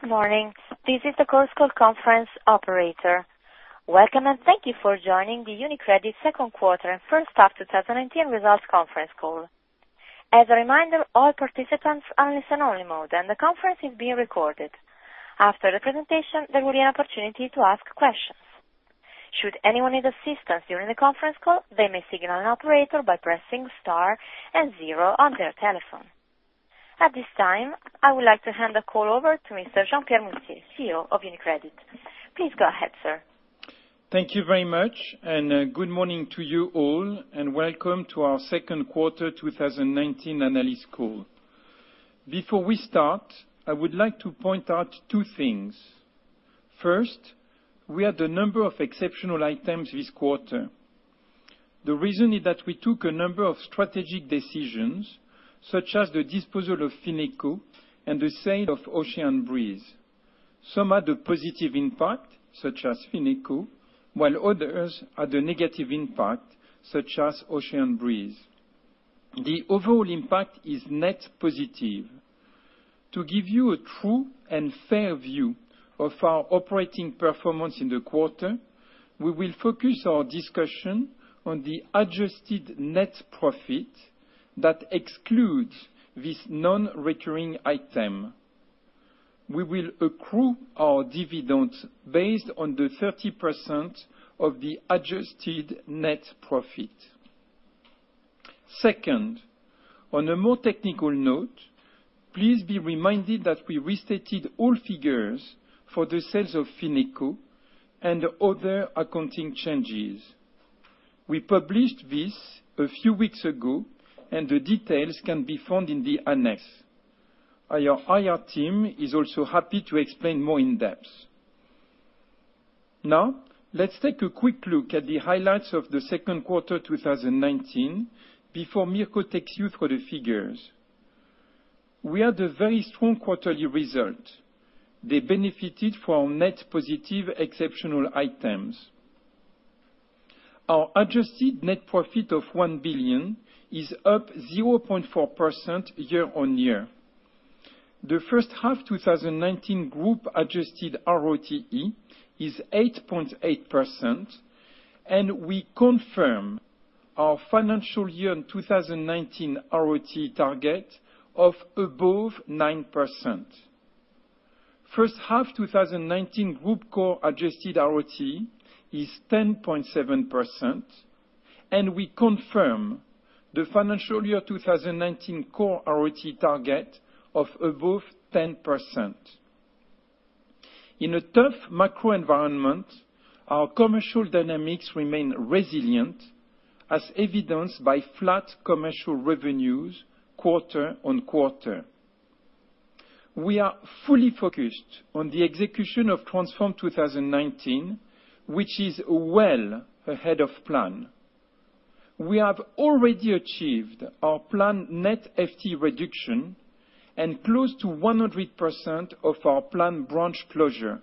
Good morning. This is the course call conference operator. Welcome. Thank you for joining the UniCredit second quarter and first half 2019 results conference call. As a reminder, all participants are in listen-only mode, and the conference is being recorded. After the presentation, there will be an opportunity to ask questions. Should anyone need assistance during the conference call, they may signal an operator by pressing Star and zero on their telephone. At this time, I would like to hand the call over to Mr. Jean-Pierre Mustier, CEO of UniCredit. Please go ahead, sir. Thank you very much. Good morning to you all. Welcome to our second quarter 2019 analyst call. Before we start, I would like to point out two things. First, we had a number of exceptional items this quarter. The reason is that we took a number of strategic decisions, such as the disposal of Fineco and the sale of Ocean Breeze. Some had a positive impact, such as Fineco, while others had a negative impact, such as Ocean Breeze. The overall impact is net positive. To give you a true and fair view of our operating performance in the quarter, we will focus our discussion on the adjusted net profit that excludes this non-recurring item. We will accrue our dividends based on the 30% of the adjusted net profit. Second, on a more technical note, please be reminded that we restated all figures for the sales of Fineco and other accounting changes. The details can be found in the annex. Our IR team is also happy to explain more in depth. Now, let's take a quick look at the highlights of the second quarter 2019 before Mirco takes you through the figures. We had a very strong quarterly result. They benefited from net positive exceptional items. Our adjusted net profit of 1 billion is up 0.4% year-on-year. The first half 2019 group adjusted ROTE is 8.8%, and we confirm our financial year in 2019 ROTE target of above 9%. First half 2019 group core adjusted ROTE is 10.7%, and we confirm the financial year 2019 core ROTE target of above 10%. In a tough macro environment, our commercial dynamics remain resilient, as evidenced by flat commercial revenues quarter-on-quarter. We are fully focused on the execution of Transform 2019, which is well ahead of plan. We have already achieved our planned net FT reduction and close to 100% of our planned branch closure.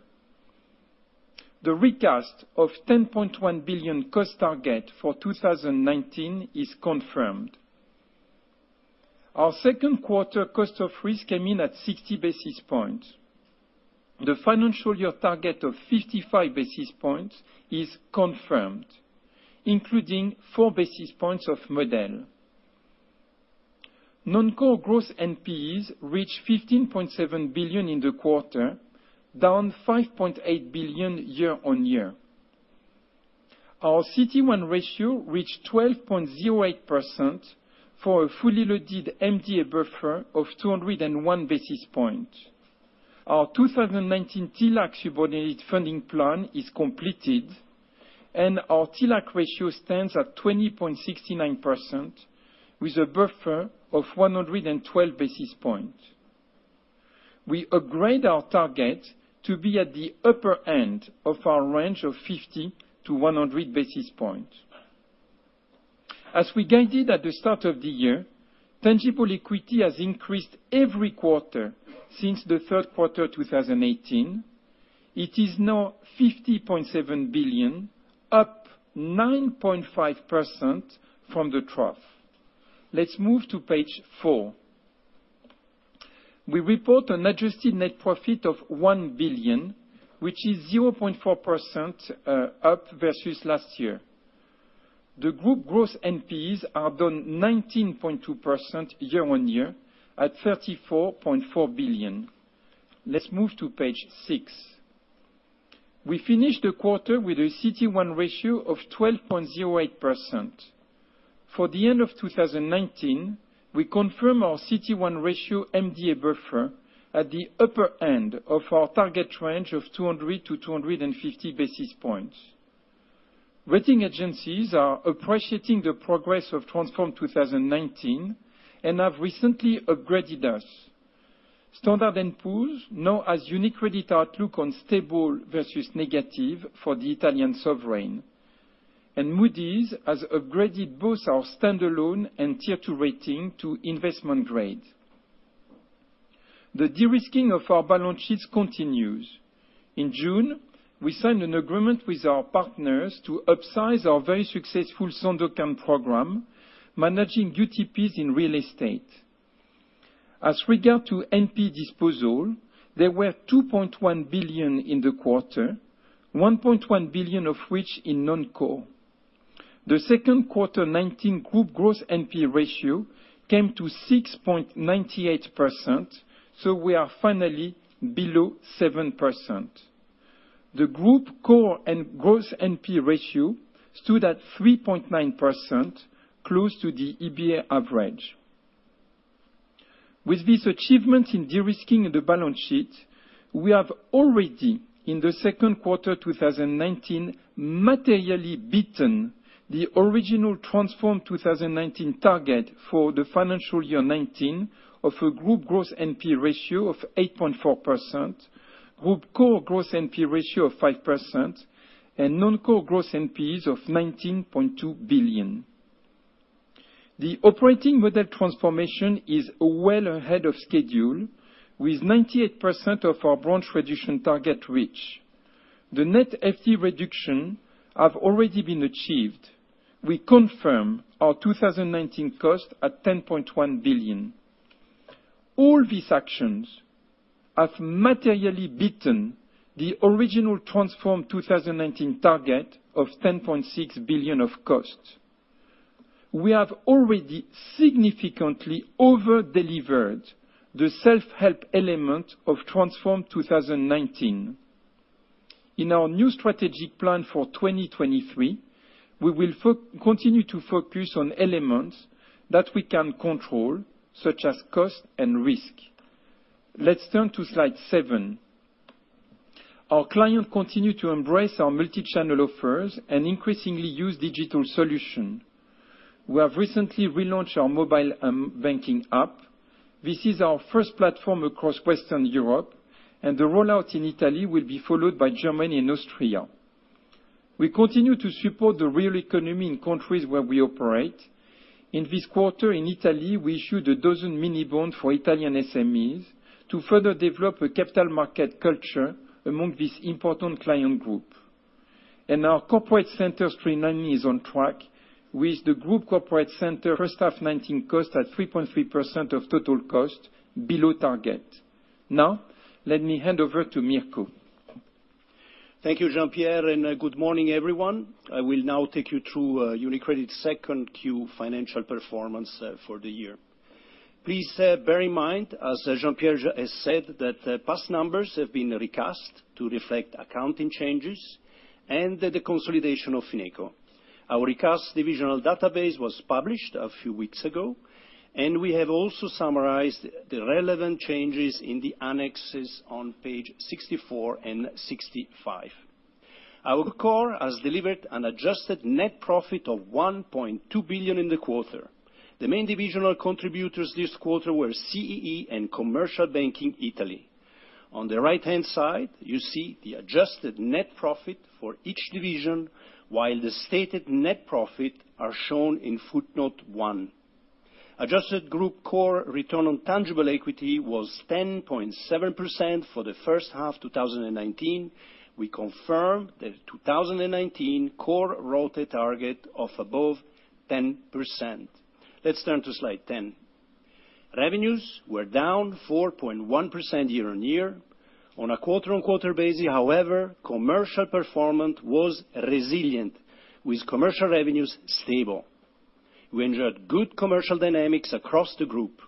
The recast of 10.1 billion cost target for 2019 is confirmed. Our second quarter cost of risk came in at 60 basis points. The financial year target of 55 basis points is confirmed, including four basis points of model. Non-core gross NPEs reached 15.7 billion in the quarter, down 5.8 billion year-on-year. Our CET1 ratio reached 12.08% for a fully loaded MDA buffer of 201 basis points. Our 2019 TLAC subordinated funding plan is completed, and our TLAC ratio stands at 20.69% with a buffer of 112 basis points. We upgrade our target to be at the upper end of our range of 50 to 100 basis points. As we guided at the start of the year, tangible equity has increased every quarter since the third quarter 2018. It is now 50.7 billion, up 9.5% from the trough. Let's move to page four. We report an adjusted net profit of one billion, which is 0.4% up versus last year. The group gross NPEs are down 19.2% year-on-year at 34.4 billion. Let's move to page six. We finished the quarter with a CET1 ratio of 12.08%. For the end of 2019, we confirm our CET1 ratio MDA buffer at the upper end of our target range of 200 to 250 basis points. Rating agencies are appreciating the progress of Transform 2019 and have recently upgraded us. Standard & Poor's now has UniCredit outlook on stable versus negative for the Italian sovereign. Moody's has upgraded both our standalone and Tier 2 rating to investment grade. The de-risking of our balance sheets continues. In June, we signed an agreement with our partners to upsize our very successful Sandokan program, managing UTPs in real estate. As regard to NP disposal, there were 2.1 billion in the quarter, 1.1 billion of which in non-core. The second quarter 2019 group growth NP ratio came to 6.98%, so we are finally below 7%. The group core and growth NP ratio stood at 3.9%, close to the EBA average. With these achievements in de-risking the balance sheet, we have already, in the second quarter 2019, materially beaten the original Transform 2019 target for the financial year 2019 of a group growth NP ratio of 8.4%, group core growth NP ratio of 5%, and non-core growth NPs of 19.2 billion. The operating model transformation is well ahead of schedule, with 98% of our branch reduction target reached. The net FTE reduction have already been achieved. We confirm our 2019 cost at 10.1 billion. All these actions have materially beaten the original Transform 2019 target of 10.6 billion of cost. We have already significantly over-delivered the self-help element of Transform 2019. In our new strategic plan for 2023, we will continue to focus on elements that we can control, such as cost and risk. Let's turn to slide 7. Our client continue to embrace our multi-channel offers and increasingly use digital solution. We have recently relaunched our mobile banking app. This is our first platform across Western Europe, and the rollout in Italy will be followed by Germany and Austria. We continue to support the real economy in countries where we operate. In this quarter in Italy, we issued 12 mini-bonds for Italian SMEs to further develop a capital market culture among this important client group. Our corporate center streamlining is on track with the group corporate center first half 2019 cost at 3.3% of total cost, below target. Now, let me hand over to Mirco. Thank you, Jean-Pierre, and good morning, everyone. I will now take you through UniCredit's 2Q financial performance for the year. Please bear in mind, as Jean-Pierre has said, that past numbers have been recast to reflect accounting changes and the consolidation of Fineco. Our recast divisional database was published a few weeks ago, and we have also summarized the relevant changes in the annexes on page 64 and 65. Our core has delivered an adjusted net profit of 1.2 billion in the quarter. The main divisional contributors this quarter were CEE and Commercial Banking Italy. On the right-hand side, you see the adjusted net profit for each division, while the stated net profit are shown in footnote one. Adjusted group core return on tangible equity was 10.7% for the first half 2019. We confirm the 2019 core ROTTE target of above 10%. Let's turn to slide 10. Revenues were down 4.1% year-on-year. On a quarter-on-quarter basis, however, commercial performance was resilient, with commercial revenues stable. We enjoyed good commercial dynamics across the group.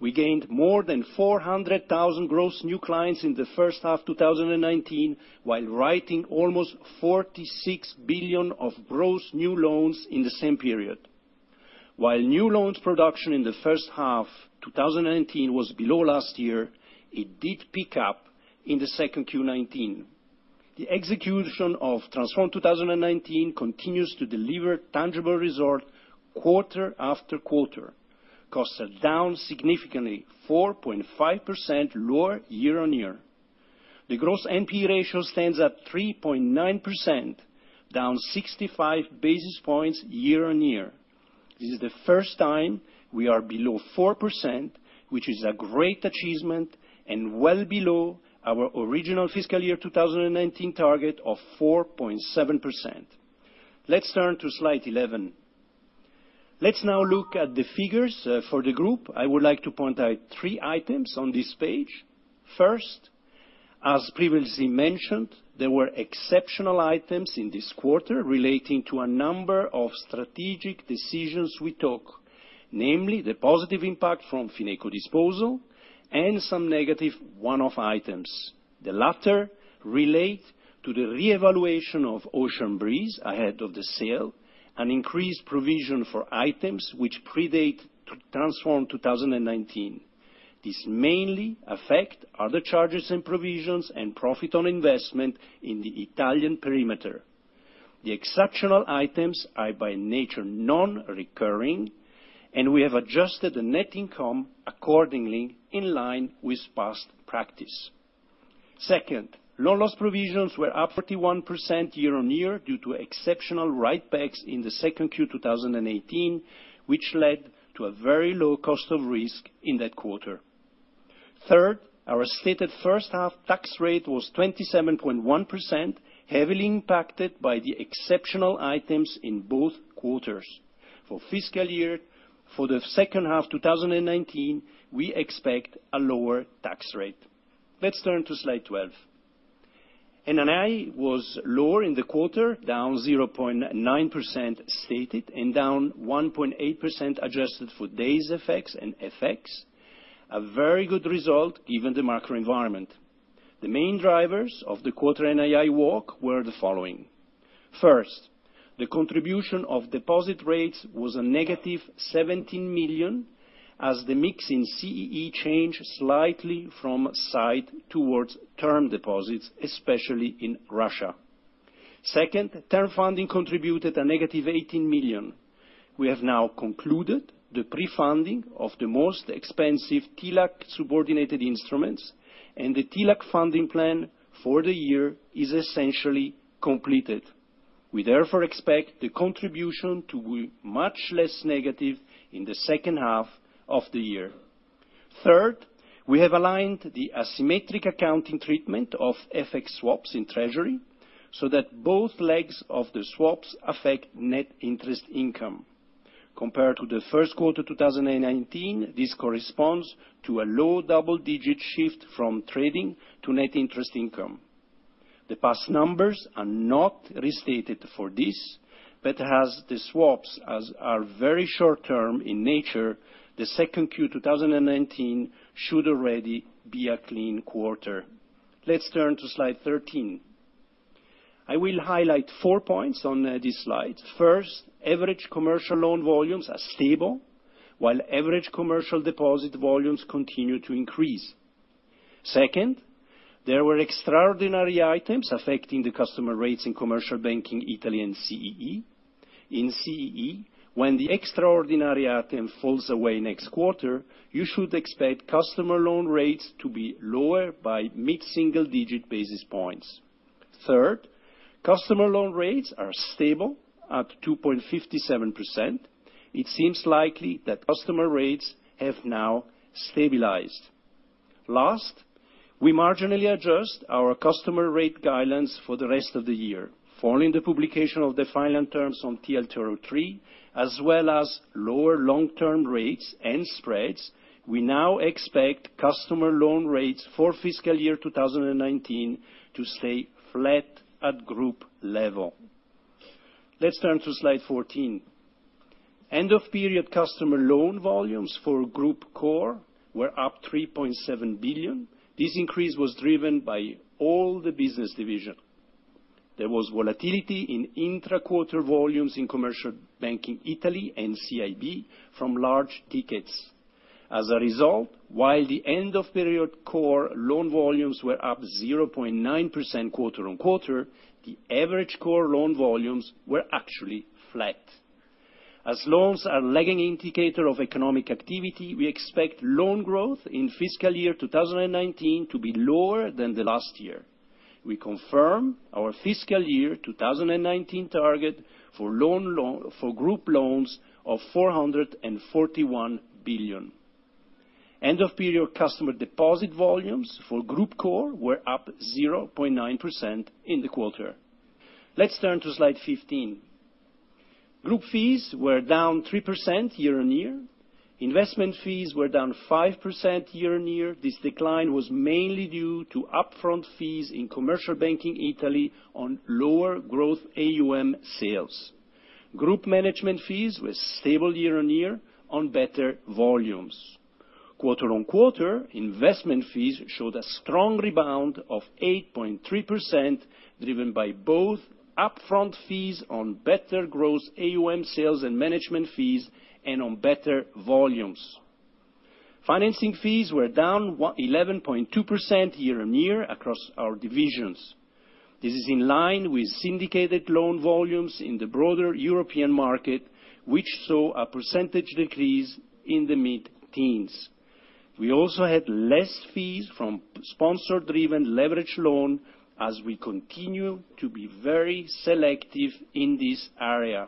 We gained more than 400,000 gross new clients in the first half 2019, while writing almost 46 billion of gross new loans in the same period. While new loans production in the first half 2019 was below last year, it did pick up in the second Q19. The execution of Transform 2019 continues to deliver tangible result quarter after quarter. Costs are down significantly, 4.5% lower year-on-year. The gross NP ratio stands at 3.9%, down 65 basis points year-on-year. This is the first time we are below 4%, which is a great achievement and well below our original fiscal year 2019 target of 4.7%. Let's turn to slide 11. Let's now look at the figures for the group. I would like to point out three items on this page. First, as previously mentioned, there were exceptional items in this quarter relating to a number of strategic decisions we took, namely the positive impact from Fineco disposal and some negative one-off items. The latter relate to the reevaluation of Ocean Breeze ahead of the sale, an increased provision for items which predate Transform 2019. This mainly affect other charges and provisions and profit on investment in the Italian perimeter. The exceptional items are by nature non-recurring. We have adjusted the net income accordingly in line with past practice. Second, loan loss provisions were up 41% year-on-year due to exceptional write-backs in the second Q 2018, which led to a very low cost of risk in that quarter. Third, our stated first-half tax rate was 27.1%, heavily impacted by the exceptional items in both quarters. For fiscal year, for the second half 2019, we expect a lower tax rate. Let's turn to slide 12. NII was lower in the quarter, down 0.9% stated and down 1.8% adjusted for days effects and FX. A very good result given the macro environment. The main drivers of the quarter NII walk were the following. First, the contribution of deposit rates was a negative 17 million, as the mix in CEE changed slightly from sight towards term deposits, especially in Russia. Second, term funding contributed a negative 18 million. We have now concluded the pre-funding of the most expensive TLAC subordinated instruments, and the TLAC funding plan for the year is essentially completed. We therefore expect the contribution to be much less negative in the second half of the year. Third, we have aligned the asymmetric accounting treatment of FX swaps in treasury, so that both legs of the swaps affect Net Interest Income. Compared to the first quarter 2019, this corresponds to a low double-digit shift from trading to Net Interest Income. The past numbers are not restated for this, but as the swaps are very short term in nature, the second Q 2019 should already be a clean quarter. Let's turn to slide 13. I will highlight four points on this slide. First, average commercial loan volumes are stable, while average commercial deposit volumes continue to increase. Second, there were extraordinary items affecting the customer rates in Commercial Banking Italy and CEE. In CEE, when the extraordinary item falls away next quarter, you should expect customer loan rates to be lower by mid-single-digit basis points. Third, customer loan rates are stable at 2.57%. It seems likely that customer rates have now stabilized. Last, we marginally adjust our customer rate guidelines for the rest of the year. Following the publication of the final terms on TLTRO III, as well as lower long-term rates and spreads, we now expect customer loan rates for fiscal year 2019 to stay flat at group level. Let's turn to slide 14. End-of-period customer loan volumes for group core were up 3.7 billion. This increase was driven by all the business division. There was volatility in intra-quarter volumes in Commercial Banking Italy and CIB from large tickets. As a result, while the end-of-period core loan volumes were up 0.9% quarter-on-quarter, the average core loan volumes were actually flat. As loans are lagging indicator of economic activity, we expect loan growth in fiscal year 2019 to be lower than the last year. We confirm our FY 2019 target for group loans of 441 billion. End-of-period customer deposit volumes for group core were up 0.9% in the quarter. Let's turn to slide 15. Group fees were down 3% year-on-year. Investment fees were down 5% year-on-year. This decline was mainly due to upfront fees in Commercial Banking Italy on lower growth AUM sales. Group management fees were stable year-on-year on better volumes. Quarter-on-quarter, investment fees showed a strong rebound of 8.3%, driven by both upfront fees on better gross AUM sales and management fees and on better volumes. Financing fees were down 11.2% year-on-year across our divisions. This is in line with syndicated loan volumes in the broader European market, which saw a percentage decrease in the mid-teens. We also had less fees from sponsor-driven leverage loan, as we continue to be very selective in this area.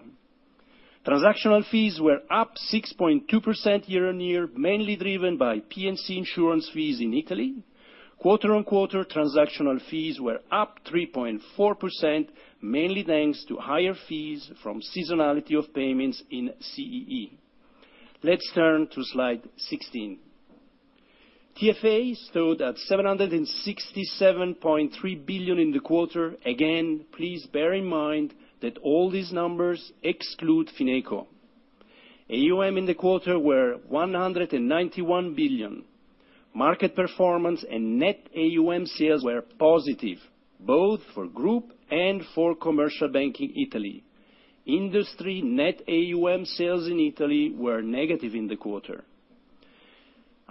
Transactional fees were up 6.2% year-on-year, mainly driven by P&C insurance fees in Italy. Quarter-on-quarter, transactional fees were up 3.4%, mainly thanks to higher fees from seasonality of payments in CEE. Let's turn to slide 16. TFAs stood at 767.3 billion in the quarter. Again, please bear in mind that all these numbers exclude Fineco. AUM in the quarter were 191 billion. Market performance and net AUM sales were positive, both for group and for Commercial Banking Italy. Industry net AUM sales in Italy were negative in the quarter.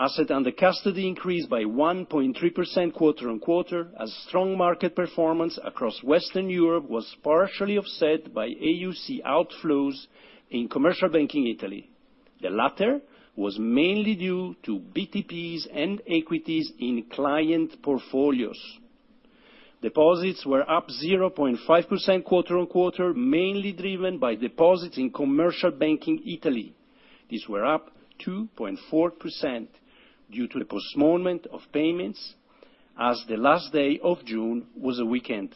Asset under custody increased by 1.3% quarter-on-quarter, as strong market performance across Western Europe was partially offset by AUC outflows in Commercial Banking Italy. The latter was mainly due to BTPs and equities in client portfolios. Deposits were up 0.5% quarter-on-quarter, mainly driven by deposits in Commercial Banking Italy. These were up 2.4% due to the postponement of payments, as the last day of June was a weekend.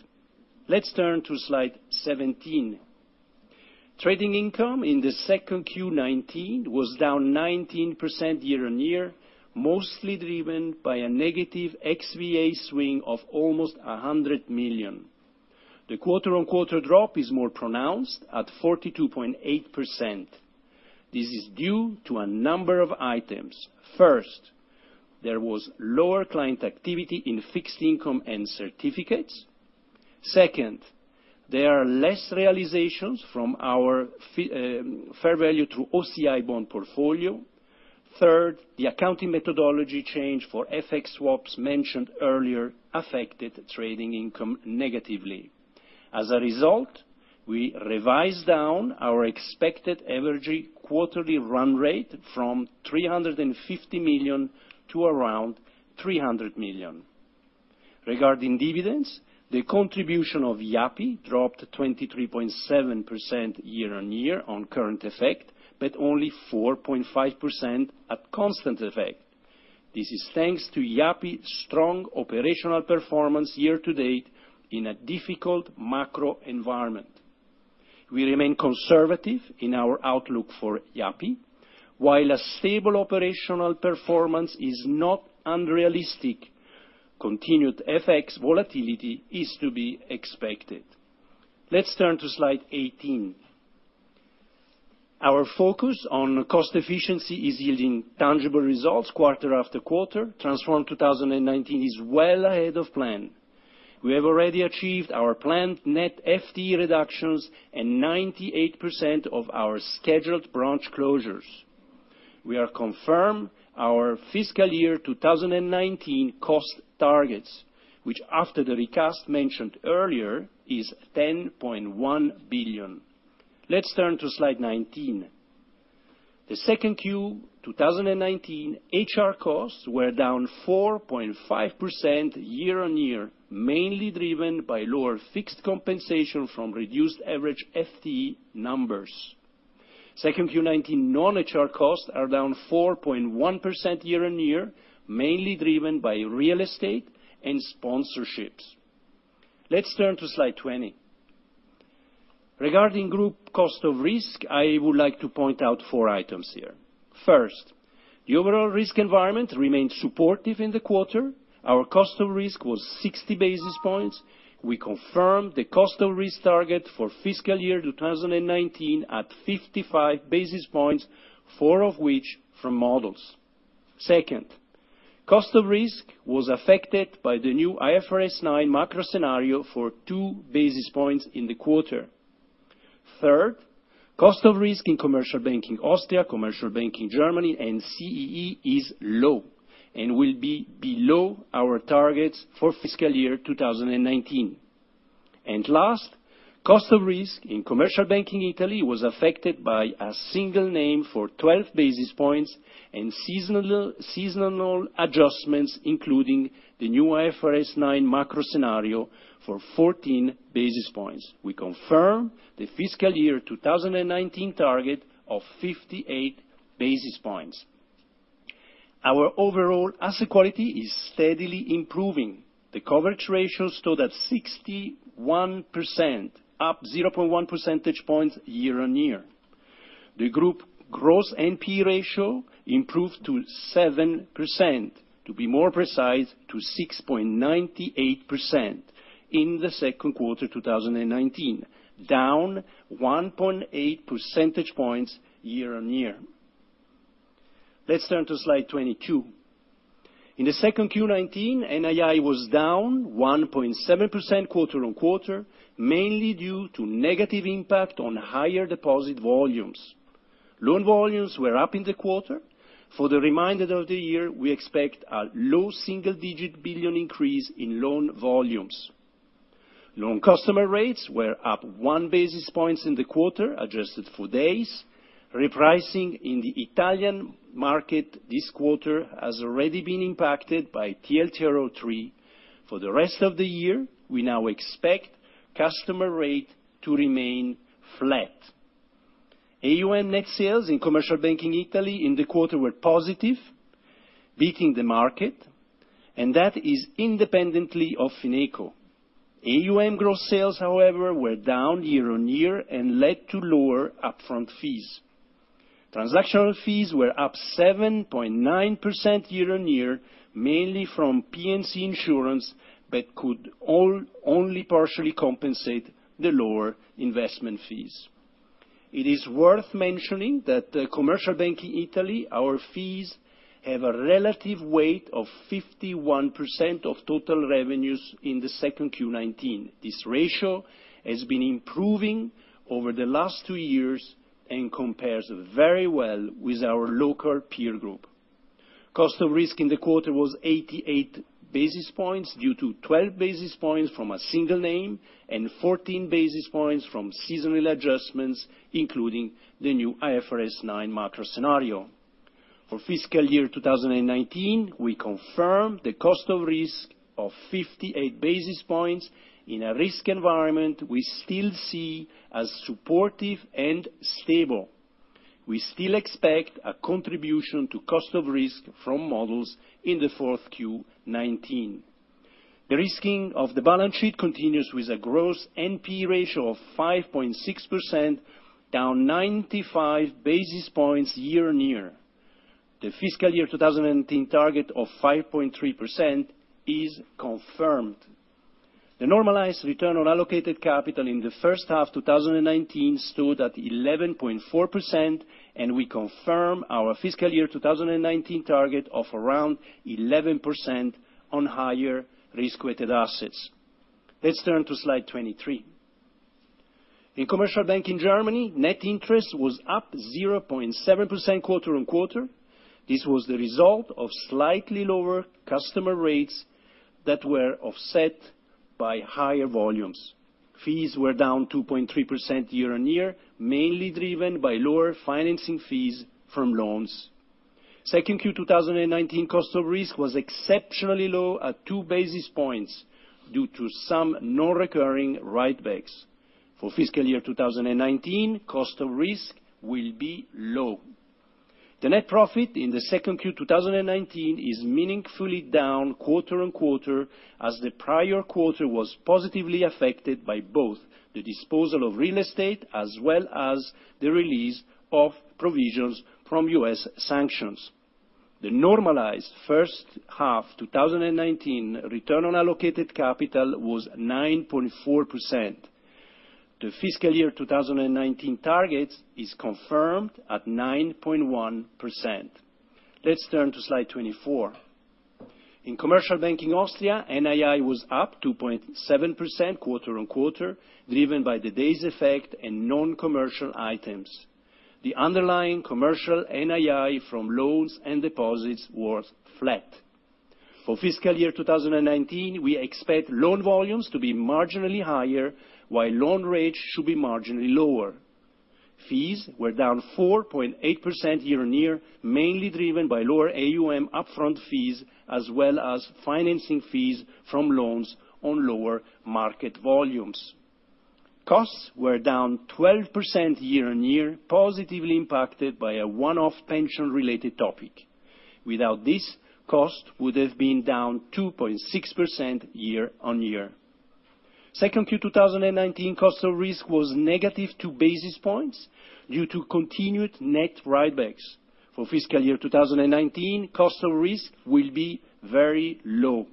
Let's turn to slide 17. Trading income in the 2Q19 was down 19% year-on-year, mostly driven by a negative XVA swing of almost 100 million. The quarter-on-quarter drop is more pronounced at 42.8%. This is due to a number of items. First, there was lower client activity in fixed income and certificates. Second, there are less realizations from our fair value through OCI bond portfolio. Third, the accounting methodology change for FX swaps mentioned earlier affected trading income negatively. As a result, we revised down our expected NII quarterly run rate from 350 million to around 300 million. Regarding dividends, the contribution of Yapı dropped 23.7% year-on-year on current effect, but only 4.5% at constant effect. This is thanks to Yapı's strong operational performance year-to-date in a difficult macro environment. We remain conservative in our outlook for Yapı. While a stable operational performance is not unrealistic, continued FX volatility is to be expected. Let's turn to slide 18. Our focus on cost efficiency is yielding tangible results quarter after quarter. Transform 2019 is well ahead of plan. We have already achieved our planned net FTE reductions and 98% of our scheduled branch closures. We have confirmed our fiscal year 2019 cost targets, which after the recast mentioned earlier, is 10.1 billion. Let's turn to slide 19. The second Q 2019 HR costs were down 4.5% year-on-year, mainly driven by lower fixed compensation from reduced average FTE numbers. Second Q 2019 non-HR costs are down 4.1% year-on-year, mainly driven by real estate and sponsorships. Let's turn to slide 20. Regarding group cost of risk, I would like to point out four items here. First, the overall risk environment remained supportive in the quarter. Our cost of risk was 60 basis points. We confirmed the cost of risk target for fiscal year 2019 at 55 basis points, four of which from models. Second, cost of risk was affected by the new IFRS 9 macro scenario for two basis points in the quarter. Third, cost of risk in Commercial Banking Austria, Commercial Banking Germany, and CEE is low and will be below our targets for fiscal year 2019. Last, cost of risk in Commercial Banking Italy was affected by a single name for 12 basis points and seasonal adjustments, including the new IFRS 9 macro scenario for 14 basis points. We confirm the fiscal year 2019 target of 58 basis points. Our overall asset quality is steadily improving. The coverage ratio stood at 61%, up 0.1 percentage points year-on-year. The group gross NP ratio improved to 7%, to be more precise, to 6.98% in the second quarter 2019, down 1.8 percentage points year-on-year. Let's turn to slide 22. In the second Q19, NII was down 1.7% quarter-on-quarter, mainly due to negative impact on higher deposit volumes. Loan volumes were up in the quarter. For the remainder of the year, we expect a low single-digit billion EUR increase in loan volumes. Loan customer rates were up one basis point in the quarter, adjusted for days. Repricing in the Italian market this quarter has already been impacted by TLTRO III. For the rest of the year, we now expect customer rate to remain flat. AUM net sales in Commercial Banking Italy in the quarter were positive, beating the market, and that is independently of Fineco. AUM gross sales, however, were down year-on-year and led to lower upfront fees. Transactional fees were up 7.9% year-on-year, mainly from P&C Insurance, but could only partially compensate the lower investment fees. It is worth mentioning that Commercial Banking Italy, our fees have a relative weight of 51% of total revenues in the second Q19. This ratio has been improving over the last two years and compares very well with our local peer group. Cost of risk in the quarter was 88 basis points, due to 12 basis points from a single name and 14 basis points from seasonal adjustments, including the new IFRS 9 macro scenario. For fiscal year 2019, we confirm the cost of risk of 58 basis points in a risk environment we still see as supportive and stable. We still expect a contribution to cost of risk from models in the fourth Q19. De-risking of the balance sheet continues with a gross NP ratio of 5.6%, down 95 basis points year-on-year. The fiscal year 2019 target of 5.3% is confirmed. The normalized return on allocated capital in the first half 2019 stood at 11.4%, and we confirm our fiscal year 2019 target of around 11% on higher risk-weighted assets. Let's turn to slide 23. In Commercial Banking Germany, net interest was up 0.7% quarter-on-quarter. This was the result of slightly lower customer rates that were offset by higher volumes. Fees were down 2.3% year-on-year, mainly driven by lower financing fees from loans. Second Q 2019 cost of risk was exceptionally low at two basis points due to some non-recurring write-backs. For fiscal year 2019, cost of risk will be low. The net profit in the second Q 2019 is meaningfully down quarter on quarter, as the prior quarter was positively affected by both the disposal of real estate as well as the release of provisions from U.S. sanctions. The normalized first half 2019 return on allocated capital was 9.4%. The fiscal year 2019 target is confirmed at 9.1%. Let's turn to slide 24. In Commercial Banking Austria, NII was up 2.7% quarter on quarter, driven by the days effect and non-commercial items. The underlying commercial NII from loans and deposits was flat. For fiscal year 2019, we expect loan volumes to be marginally higher, while loan rates should be marginally lower. Fees were down 4.8% year-on-year, mainly driven by lower AUM upfront fees, as well as financing fees from loans on lower market volumes. Costs were down 12% year-on-year, positively impacted by a one-off pension-related topic. Without this, cost would have been down 2.6% year-on-year. 2Q 2019 cost of risk was negative two basis points due to continued net write-backs. For fiscal year 2019, cost of risk will be very low.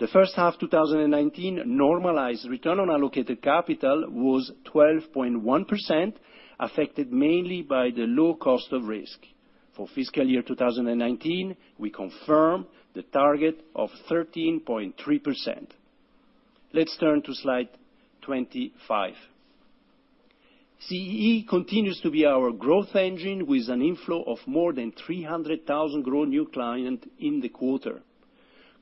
The first half of 2019 normalized Return on Allocated Capital was 12.1%, affected mainly by the low cost of risk. For fiscal year 2019, we confirm the target of 13.3%. Let's turn to slide 25. CEE continues to be our growth engine, with an inflow of more than 300,000 grow new client in the quarter.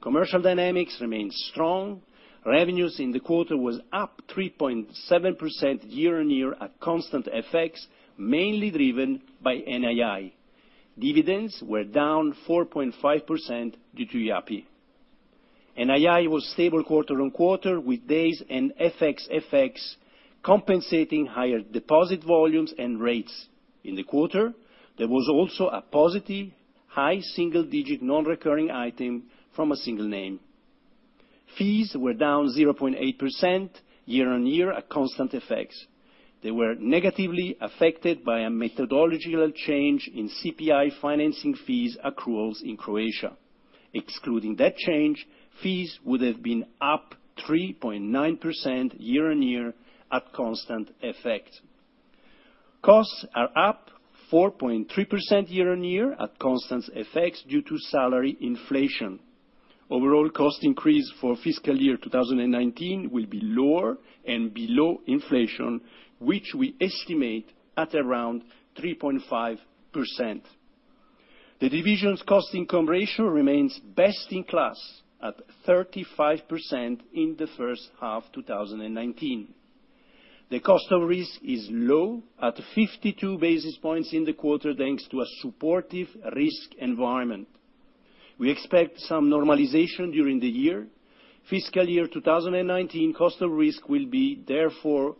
Commercial dynamics remain strong. Revenues in the quarter was up 3.7% year-on-year at constant FX, mainly driven by NII. Dividends were down 4.5% due to Yapı. NII was stable quarter-on-quarter, with days and FX compensating higher deposit volumes and rates. In the quarter, there was also a positive high single-digit non-recurring item from a single name. Fees were down 0.8% year-on-year at constant FX. They were negatively affected by a methodological change in CPI financing fees accruals in Croatia. Excluding that change, fees would have been up 3.9% year-on-year at constant FX. Costs are up 4.3% year-on-year at constant FX due to salary inflation. Overall cost increase for fiscal year 2019 will be lower and below inflation, which we estimate at around 3.5%. The division's cost-income ratio remains best in class at 35% in the first half 2019. The cost of risk is low at 52 basis points in the quarter, thanks to a supportive risk environment. We expect some normalization during the year. Fiscal year 2019 cost of risk will be therefore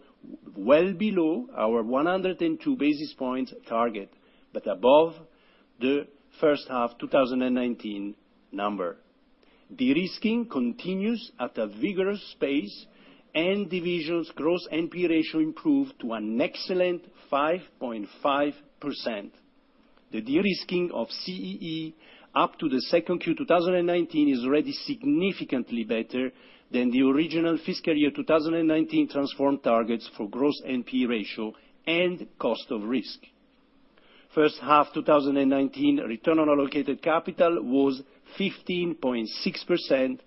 well below our 102 basis points target, but above the first half 2019 number. De-risking continues at a vigorous pace, and division's gross NP ratio improved to an excellent 5.5%. The de-risking of CEE up to the 2Q 2019 is already significantly better than the original fiscal year 2019 Transform targets for gross NP ratio and cost of risk. First half 2019 return on allocated capital was 15.6%.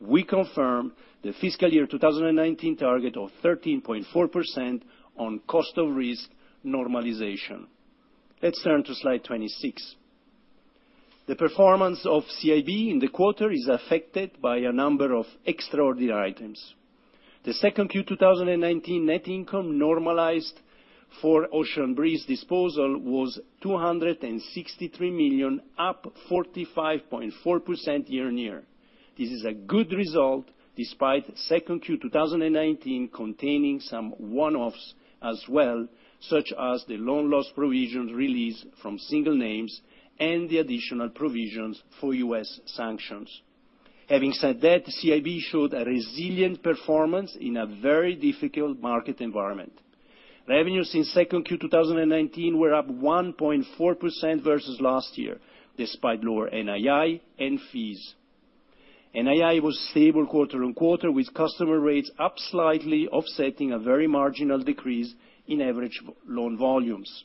We confirm the fiscal year 2019 target of 13.4% on cost of risk normalization. Let's turn to slide 26. The performance of CIB in the quarter is affected by a number of extraordinary items. The 2Q 2019 net income normalized for Ocean Breeze disposal was 263 million, up 45.4% year-on-year. This is a good result despite 2Q 2019 containing some one-offs as well, such as the loan loss provisions released from single names and the additional provisions for U.S. sanctions. Having said that, CIB showed a resilient performance in a very difficult market environment. Revenues in 2Q 2019 were up 1.4% versus last year, despite lower NII and fees. NII was stable quarter-over-quarter, with customer rates up slightly, offsetting a very marginal decrease in average loan volumes.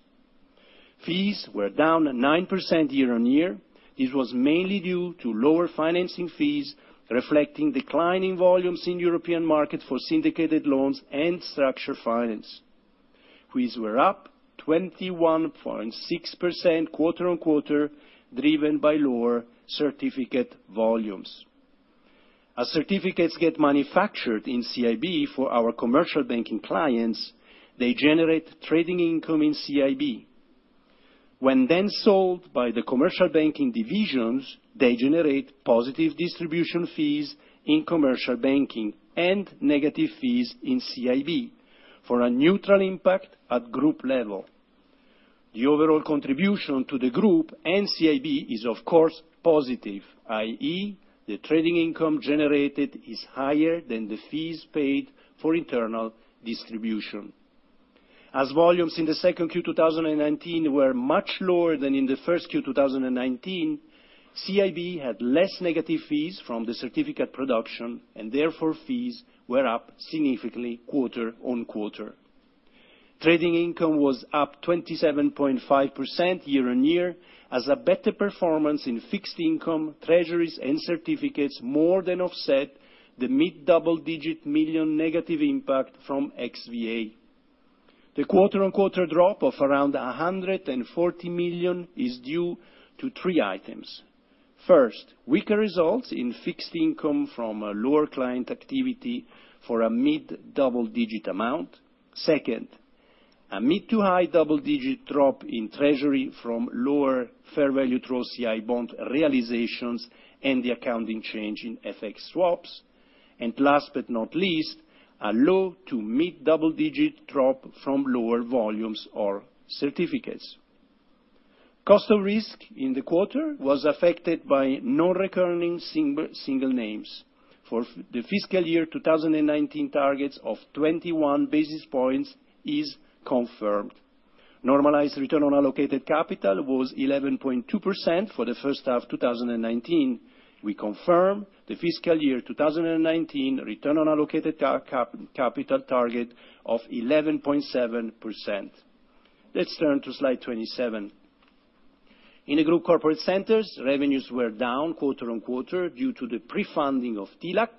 Fees were down 9% year-over-year. This was mainly due to lower financing fees, reflecting declining volumes in European market for syndicated loans and structured finance. Fees were up 21.6% quarter-over-quarter, driven by lower certificate volumes. As certificates get manufactured in CIB for our Commercial Banking clients, they generate trading income in CIB. When sold by the Commercial Banking divisions, they generate positive distribution fees in Commercial Banking and negative fees in CIB, for a neutral impact at group level. The overall contribution to the group and CIB is of course positive, i.e., the trading income generated is higher than the fees paid for internal distribution. Volumes in the second Q2 2019 were much lower than in the first Q2 2019, CIB had less negative fees from the certificate production, therefore, fees were up significantly quarter-on-quarter. Trading income was up 27.5% year-on-year, a better performance in fixed income treasuries and certificates more than offset the mid double-digit million negative impact from XVA. The quarter-on-quarter drop of around 140 million is due to three items. First, weaker results in fixed income from a lower client activity for a mid double-digit EUR amount. Second, a mid to high double-digit EUR drop in treasury from lower fair value through OCI bond realizations and the accounting change in FX swaps. Last but not least, a low to mid double-digit EUR drop from lower volumes or certificates. Cost of risk in the quarter was affected by non-recurring single names. For the fiscal year 2019, targets of 21 basis points is confirmed. Normalized return on allocated capital was 11.2% for the first half of 2019. We confirm the fiscal year 2019 return on allocated capital target of 11.7%. Let's turn to slide 27. In the group corporate centers, revenues were down quarter on quarter due to the pre-funding of TLAC,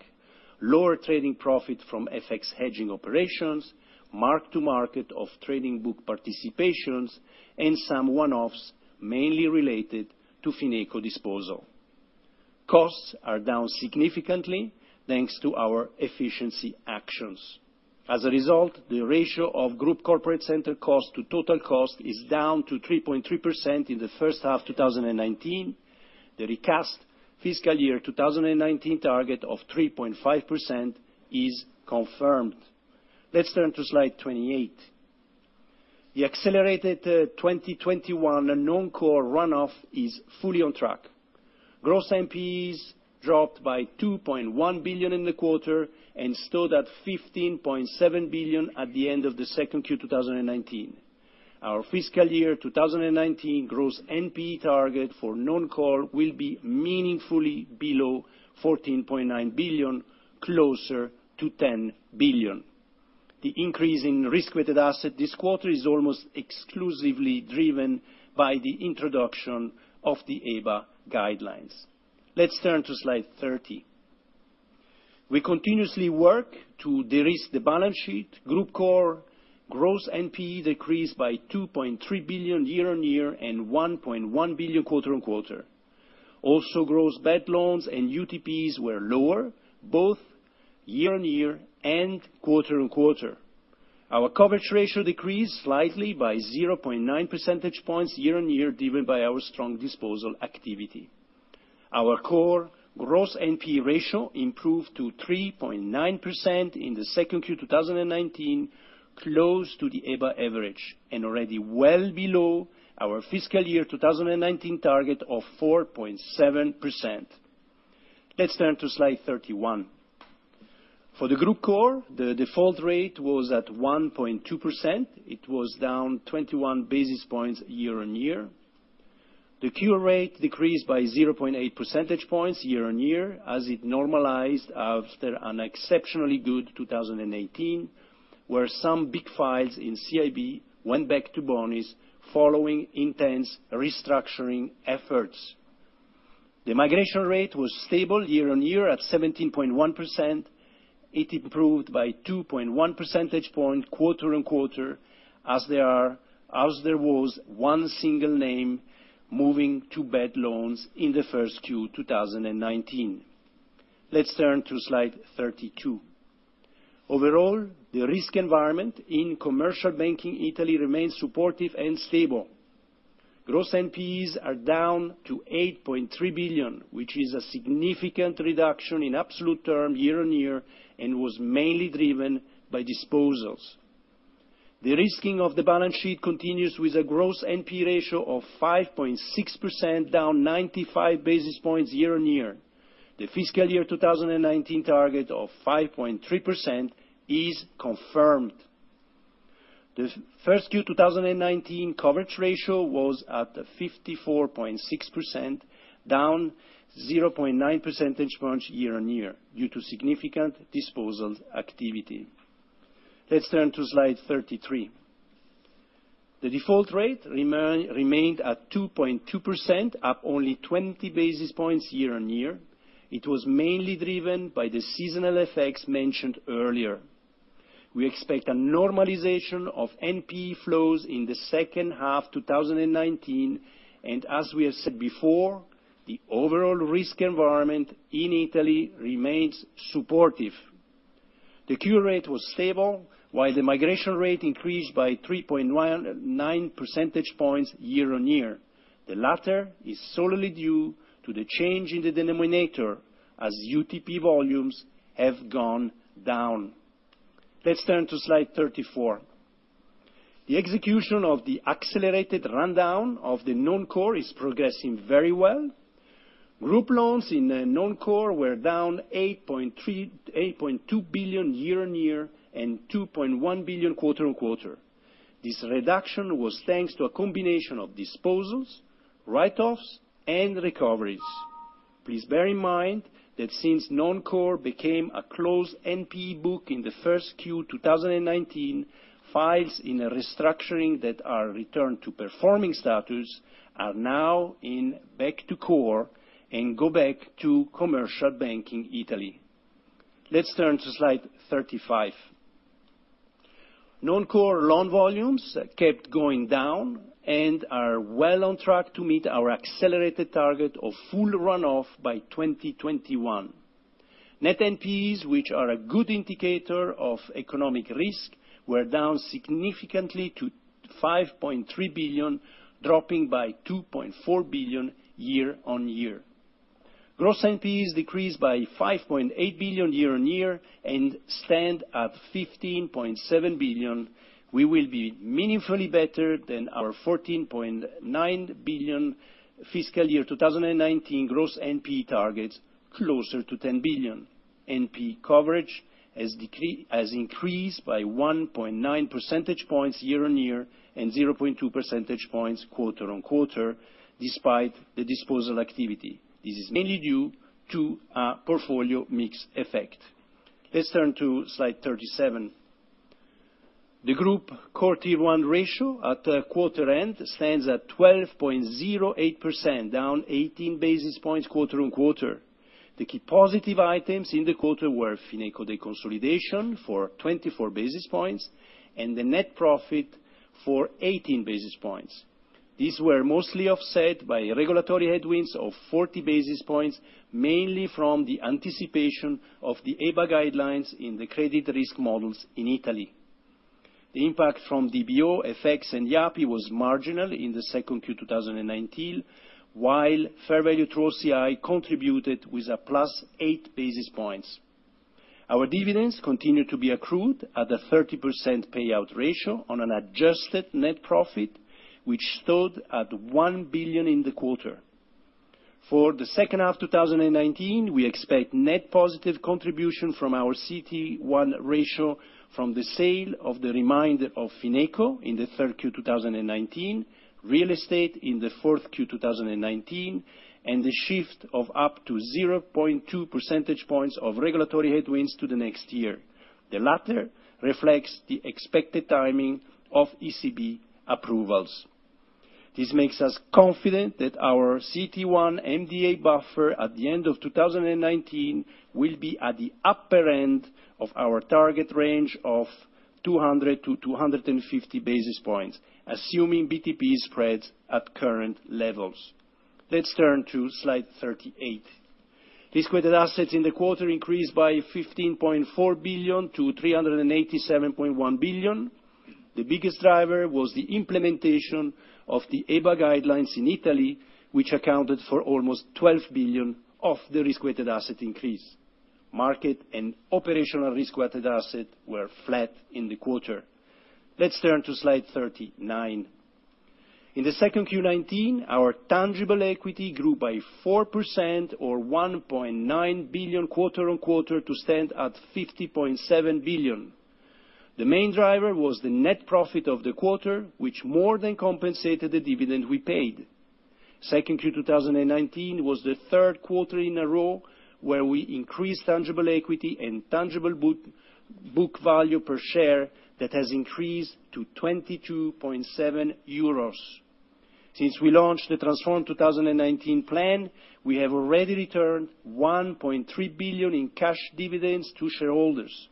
lower trading profit from FX hedging operations, mark to market of trading book participations, and some one-offs mainly related to Fineco disposal. Costs are down significantly, thanks to our efficiency actions. As a result, the ratio of group corporate center cost to total cost is down to 3.3% in the first half 2019. The recast fiscal year 2019 target of 3.5% is confirmed. Let's turn to slide 28. The accelerated 2021 non-core run-off is fully on track. Gross NPEs dropped by 2.1 billion in the quarter and stood at 15.7 billion at the end of the second Q2 2019. Our fiscal year 2019 gross NPE target for non-core will be meaningfully below 14.9 billion, closer to 10 billion. The increase in risk-weighted asset this quarter is almost exclusively driven by the introduction of the EBA guidelines. Let's turn to slide 30. We continuously work to de-risk the balance sheet. Group core gross NPE decreased by 2.3 billion year-on-year and 1.1 billion quarter-on-quarter. Also, gross bad loans and UTPs were lower, both year-on-year and quarter-on-quarter. Our coverage ratio decreased slightly by 0.9 percentage points year-on-year, driven by our strong disposal activity. Our core gross NPE ratio improved to 3.9% in the second Q2 2019, close to the EBA average and already well below our fiscal year 2019 target of 4.7%. Let's turn to slide 31. For the group core, the default rate was at 1.2%. It was down 21 basis points year-on-year. The cure rate decreased by 0.8 percentage points year-on-year, as it normalized after an exceptionally good 2018, where some big files in CIB went back to bonis following intense restructuring efforts. The migration rate was stable year-on-year at 17.1%. It improved by 2.1 percentage points quarter-on-quarter, as there was one single name moving to bad loans in the first Q 2019. Let's turn to slide 32. Overall, the risk environment in Commercial Banking Italy remains supportive and stable. Gross NPEs are down to 8.3 billion, which is a significant reduction in absolute term year-on-year and was mainly driven by disposals. The risking of the balance sheet continues with a gross NPE ratio of 5.6%, down 95 basis points year-on-year. The fiscal year 2019 target of 5.3% is confirmed. The first Q 2019 coverage ratio was at 54.6%, down 0.9 percentage points year-on-year due to significant disposal activity. Let's turn to slide 33. The default rate remained at 2.2%, up only 20 basis points year-on-year. It was mainly driven by the seasonal effects mentioned earlier. We expect a normalization of NPE flows in the second half 2019. As we have said before, the overall risk environment in Italy remains supportive. The cure rate was stable, while the migration rate increased by 3.9 percentage points year-on-year. The latter is solely due to the change in the denominator as UTP volumes have gone down. Let's turn to slide 34. The execution of the accelerated rundown of the non-core is progressing very well. Group loans in the non-core were down 8.2 billion year-on-year and 2.1 billion quarter-on-quarter. This reduction was thanks to a combination of disposals, write-offs, and recoveries. Please bear in mind that since Non-core became a closed NPE book in the first Q 2019, files in a restructuring that are returned to performing status are now in back to core and go back to Commercial Banking Italy. Let's turn to slide 35. Non-core loan volumes kept going down and are well on track to meet our accelerated target of full runoff by 2021. Net NPEs, which are a good indicator of economic risk, were down significantly to 5.3 billion, dropping by 2.4 billion year-on-year. Gross NPEs decreased by 5.8 billion year-on-year and stand at 15.7 billion. We will be meaningfully better than our 14.9 billion fiscal year 2019 gross NPE targets, closer to 10 billion. NPE coverage has increased by 1.9 percentage points year-on-year and 0.2 percentage points quarter-on-quarter, despite the disposal activity. This is mainly due to a portfolio mix effect. Let's turn to slide 37. The group core Tier 1 ratio at quarter end stands at 12.08%, down 18 basis points quarter-on-quarter. The key positive items in the quarter were Fineco de consolidation for 24 basis points, and the net profit for 18 basis points. These were mostly offset by regulatory headwinds of 40 basis points, mainly from the anticipation of the EBA guidelines in the credit risk models in Italy. The impact from DBO, FX, and IAPI was marginal in the second Q 2019, while fair value through OCI contributed with a plus eight basis points. Our dividends continue to be accrued at a 30% payout ratio on an adjusted net profit, which stood at 1 billion in the quarter. For the second half of 2019, we expect net positive contribution from our CET1 ratio from the sale of the remainder of Fineco in the third Q 2019, real estate in the fourth Q 2019, and the shift of up to 0.2 percentage points of regulatory headwinds to the next year. The latter reflects the expected timing of ECB approvals. This makes us confident that our CET1 MDA buffer at the end of 2019 will be at the upper end of our target range of 200-250 basis points, assuming BTP spreads at current levels. Let's turn to slide 38. Risk-weighted assets in the quarter increased by 15.4 billion to 387.1 billion. The biggest driver was the implementation of the EBA guidelines in Italy, which accounted for almost 12 billion of the risk-weighted asset increase. Market and operational risk-weighted asset were flat in the quarter. Let's turn to slide 39. In the second Q 2019, our tangible equity grew by 4% or 1.9 billion quarter-on-quarter to stand at 50.7 billion. The main driver was the net profit of the quarter, which more than compensated the dividend we paid. Second Q 2019 was the third quarter in a row where we increased tangible equity and tangible book value per share that has increased to 22.7 euros. Since we launched the Transform 2019 plan, we have already returned 1.3 billion in cash dividends to shareholders.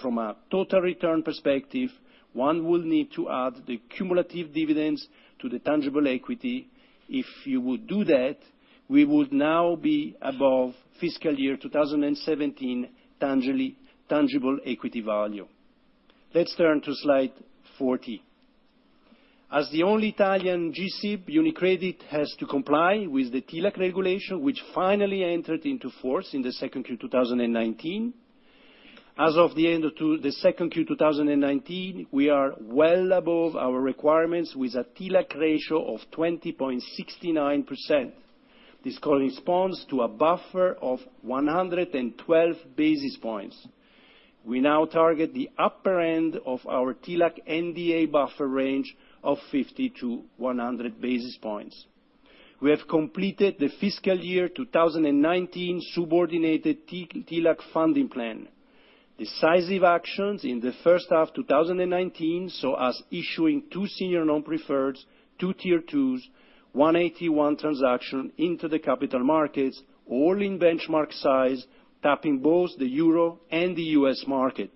From a total return perspective, one will need to add the cumulative dividends to the tangible equity. If you would do that, we would now be above FY 2017 tangible equity value. Let's turn to slide 40. As the only Italian G-SIB, UniCredit has to comply with the TLAC regulation, which finally entered into force in the second Q 2019. As of the end of the second Q 2019, we are well above our requirements with a TLAC ratio of 20.69%. This corresponds to a buffer of 112 basis points. We now target the upper end of our TLAC NDA buffer range of 50-100 basis points. We have completed the fiscal year 2019 subordinated TLAC funding plan. Decisive actions in the first half 2019, saw us issuing two senior non-preferreds, two Tier 2s, one AT1 transaction into the capital markets, all in benchmark size, tapping both the Euro and the U.S. market.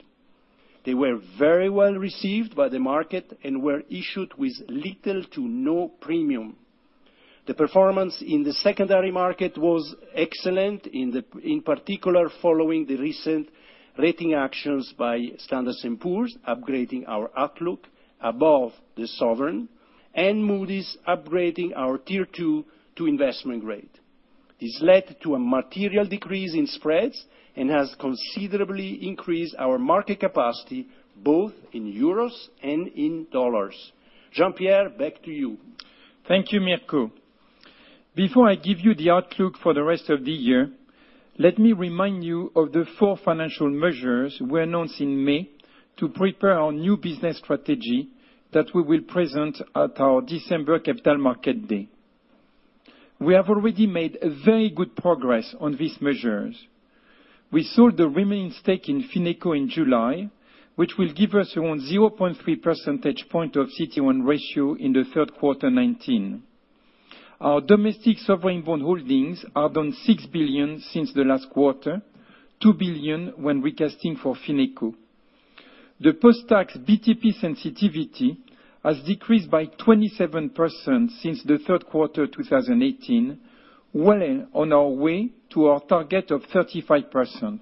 They were very well received by the market and were issued with little to no premium. The performance in the secondary market was excellent, in particular, following the recent rating actions by Standard & Poor's, upgrading our outlook above the sovereign, and Moody's upgrading our Tier 2 to investment grade. This led to a material decrease in spreads and has considerably increased our market capacity, both in euros and in U.S. dollars. Jean-Pierre, back to you. Thank you, Mirco. Before I give you the outlook for the rest of the year, let me remind you of the four financial measures we announced in May to prepare our new business strategy that we will present at our December capital market day. We have already made very good progress on these measures. We sold the remaining stake in Fineco in July, which will give us around 0.3 percentage point of CET1 ratio in the third quarter 2019. Our domestic sovereign bond holdings are down 6 billion since the last quarter, 2 billion when recasting for Fineco. The post-tax BTP sensitivity has decreased by 27% since the third quarter 2018, well on our way to our target of 35%.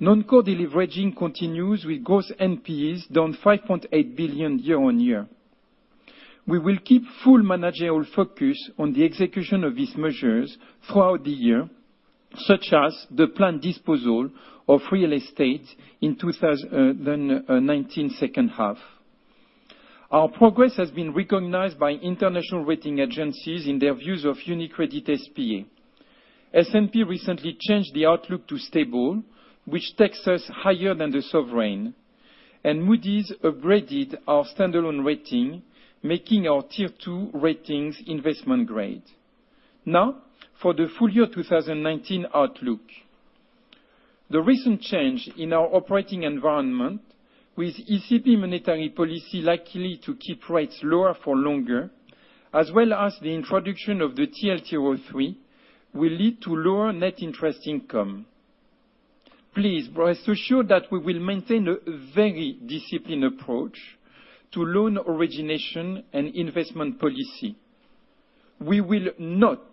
Non-core deleveraging continues with gross NPEs down 5.8 billion year-on-year. We will keep full managerial focus on the execution of these measures throughout the year, such as the planned disposal of real estate in 2019 second half. Our progress has been recognized by international rating agencies in their views of UniCredit S.p.A. S&P recently changed the outlook to stable, which takes us higher than the sovereign, and Moody's upgraded our standalone rating, making our Tier 2 ratings investment grade. For the full year 2019 outlook. The recent change in our operating environment, with ECB monetary policy likely to keep rates lower for longer, as well as the introduction of the TLTRO III, will lead to lower net interest income. Please rest assured that we will maintain a very disciplined approach to loan origination and investment policy. We will not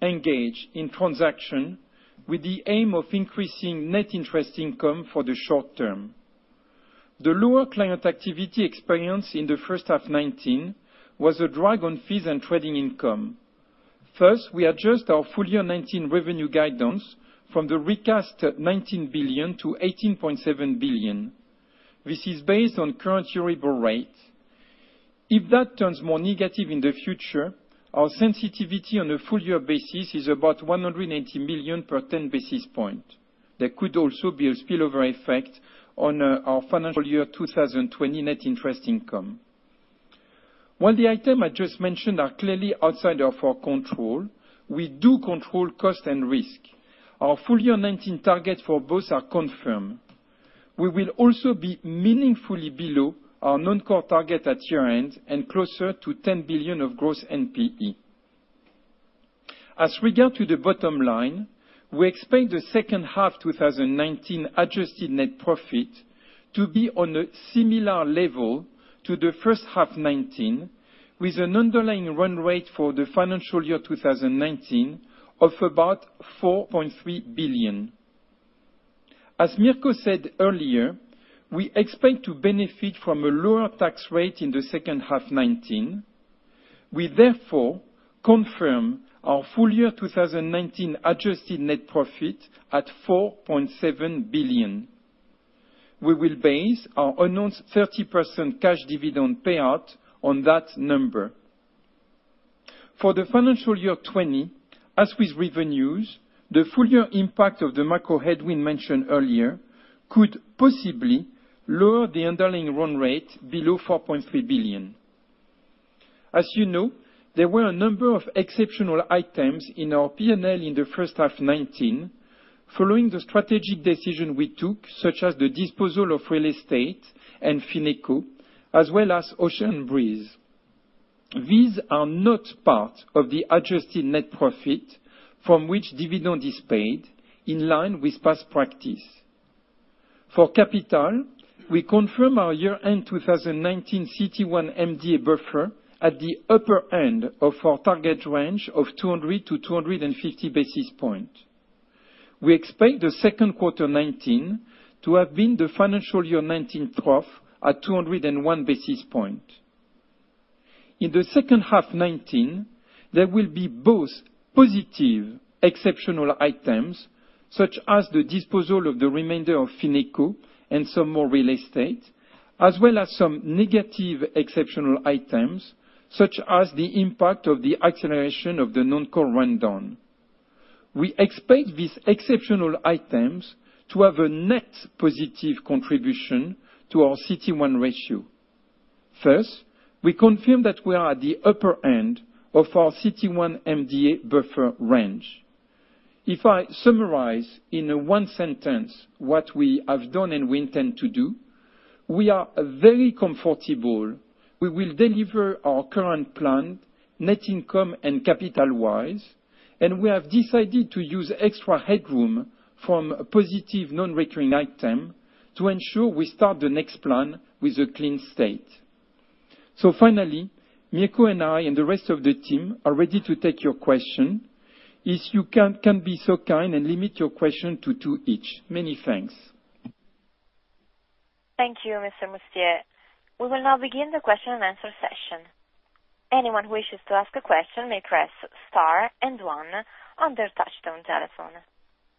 engage in transaction with the aim of increasing net interest income for the short term. The lower client activity experience in the first half 2019 was a drag on fees and trading income. First, we adjust our full year 2019 revenue guidance from the recast 19 billion to 18.7 billion. This is based on current EUR rate. If that turns more negative in the future, our sensitivity on a full year basis is about 180 million per 10 basis points. There could also be a spillover effect on our financial year 2020 net interest income. While the items I just mentioned are clearly outside of our control, we do control cost and risk. Our full year 2019 targets for both are confirmed. We will also be meaningfully below our non-core target at year-end and closer to 10 billion of gross NPE. As we get to the bottom line, we expect the second half 2019 adjusted net profit to be on a similar level to the first half 2019, with an underlying run rate for the financial year 2019 of about 4.3 billion. As Mirco said earlier, we expect to benefit from a lower tax rate in the second half 2019. We therefore confirm our full year 2019 adjusted net profit at 4.7 billion. We will base our announced 30% cash dividend payout on that number. For the financial year 2020, as with revenues, the full year impact of the macro headwind mentioned earlier could possibly lower the underlying run rate below 4.3 billion. As you know, there were a number of exceptional items in our P&L in the first half 2019 following the strategic decision we took, such as the disposal of real estate and Fineco, as well as Ocean Breeze. These are not part of the adjusted net profit from which dividend is paid in line with past practice. For capital, we confirm our year-end 2019 CET1 MDA buffer at the upper end of our target range of 200 to 250 basis points. We expect the second quarter 2019 to have been the financial year 2019 trough at 201 basis points. In the second half 2019, there will be both positive exceptional items such as the disposal of the remainder of Fineco and some more real estate, as well as some negative exceptional items such as the impact of the acceleration of the non-core rundown. We expect these exceptional items to have a net positive contribution to our CET1 ratio. First, we confirm that we are at the upper end of our CET1 MDA buffer range. If I summarize in one sentence what we have done and we intend to do, we are very comfortable we will deliver our current plan net income and capital-wise, and we have decided to use extra headroom from a positive non-recurring item to ensure we start the next plan with a clean state. Finally, Mirco and I, and the rest of the team are ready to take your question, if you can be so kind and limit your question to two each. Many thanks. Thank you, Mr. Mustier. We will now begin the question and answer session. Anyone who wishes to ask a question may press Star and 1 on their touchtone telephone.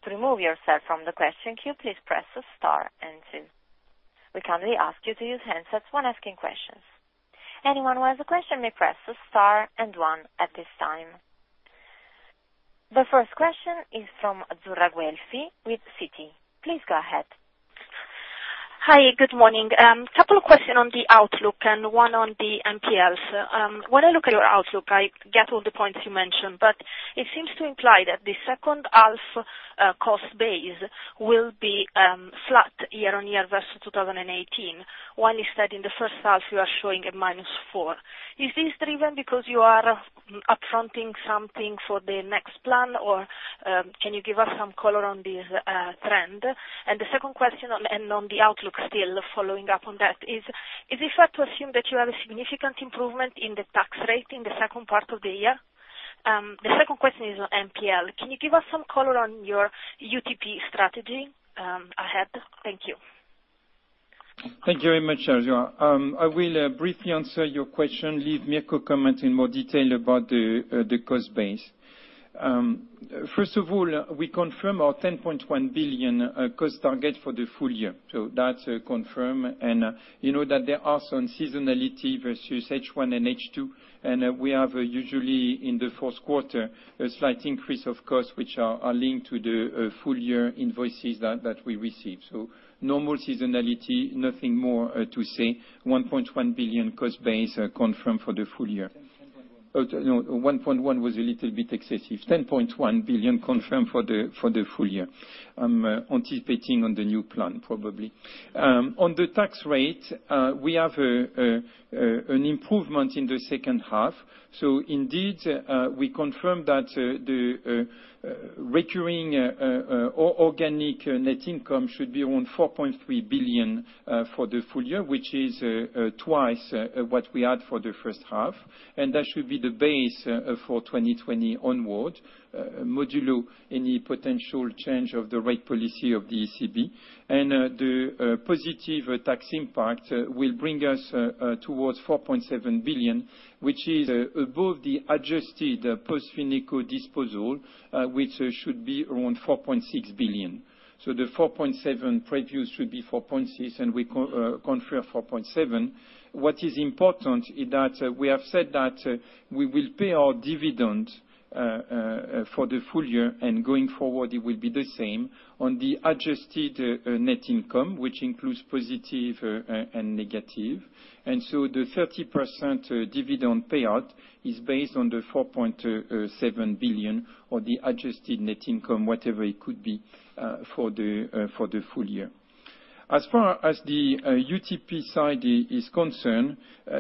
To remove yourself from the question queue, please press Star and 2. We kindly ask you to use handsets when asking questions. Anyone who has a question may press Star and 1 at this time. The first question is from Azzurra Guelfi with Citi. Please go ahead. Hi, good morning. Couple of question on the outlook and one on the NPLs. When I look at your outlook, I get all the points you mentioned, but it seems to imply that the second half, cost base will be flat year-on-year versus 2018. While instead in the first half you are showing a minus four. Is this driven because you are up-fronting something for the next plan, or can you give us some color on this trend? The second question, and on the outlook still following up on that is it fair to assume that you have a significant improvement in the tax rate in the second part of the year? The second question is on NPL. Can you give us some color on your UTP strategy ahead? Thank you. Thank you very much, Azzurra. I will briefly answer your question, leave Mirco comment in more detail about the cost base. First of all, we confirm our 10.1 billion cost target for the full year. That's confirmed, and you know that there are some seasonality versus H1 and H2, and we have usually in the fourth quarter, a slight increase of cost, which are linked to the full year invoices that we receive. Normal seasonality, nothing more to say. 10.1 billion cost base confirmed for the full year. 10.1 billion. No, 1.1 was a little bit excessive. 10.1 billion confirmed for the full year. I'm anticipating on the new plan, probably. On the tax rate, we have an improvement in the second half. Indeed, we confirm that the recurring organic net income should be around 4.3 billion for the full year, which is twice what we had for the first half. That should be the base for 2020 onward, modulo any potential change of the rate policy of the ECB. The positive tax impact will bring us towards 4.7 billion, which is above the adjusted post Fineco disposal, which should be around 4.6 billion. The 4.7 previous should be 4.6, and we confirm 4.7. What is important is that we have said that we will pay our dividend for the full year, going forward it will be the same on the adjusted net income, which includes positive and negative. The 30% dividend payout is based on the 4.7 billion or the adjusted net income, whatever it could be for the full year. As far as the UTP side is concerned,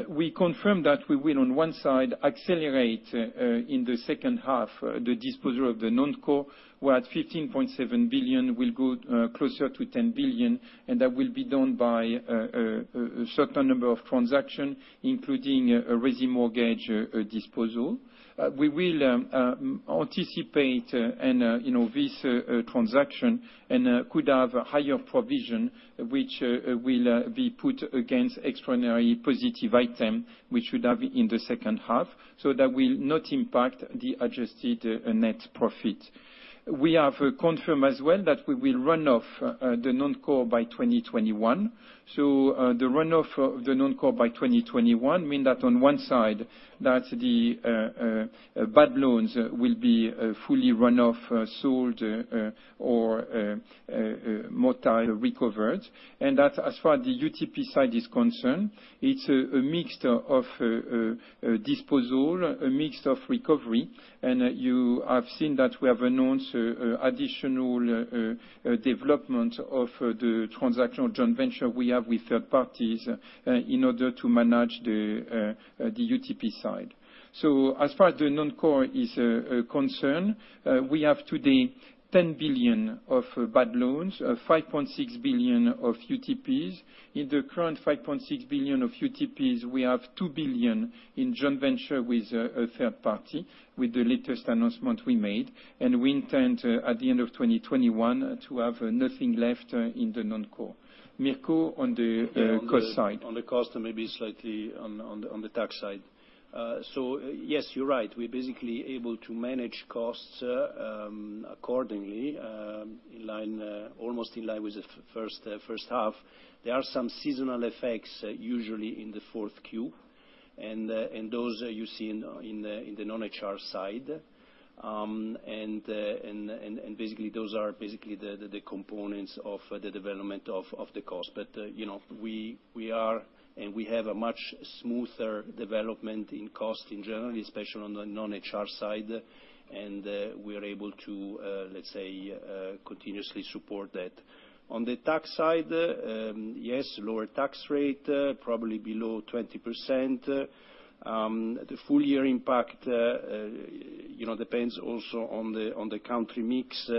we confirm that we will on one side, accelerate in the second half the disposal of the non-core. We're at 15.7 billion, we'll go closer to 10 billion, that will be done by a certain number of transaction, including a resi mortgage disposal. We will anticipate this transaction could have higher provision, which will be put against extraordinary positive item, which we'd have in the second half. That will not impact the adjusted net profit. We have confirmed as well that we will run off the non-core by 2021. the run-off of the non-core by 2021 mean that on one side, that the bad loans will be fully run off, sold or multi-recovered. that as far the UTP side is concerned, it's a mixture of disposal, a mixture of recovery. you have seen that we have announced additional development of the transaction joint venture we have with third parties in order to manage the UTP side. as far as the non-core is concerned, we have today 10 billion of bad loans, 5.6 billion of UTPs. In the current 5.6 billion of UTPs, we have 2 billion in joint venture with a third party with the latest announcement we made. we intend to, at the end of 2021, to have nothing left in the non-core. Mirco, on the cost side. On the cost, maybe slightly on the tax side. Yes, you're right. We're basically able to manage costs accordingly, almost in line with the first half. There are some seasonal effects, usually in the fourth Q, those you see in the non-HR side. Basically, those are basically the components of the development of the cost. We have a much smoother development in cost in general, especially on the non-HR side. We are able to, let's say, continuously support that. On the tax side, yes, lower tax rate, probably below 20%. The full year impact depends also on the country mix,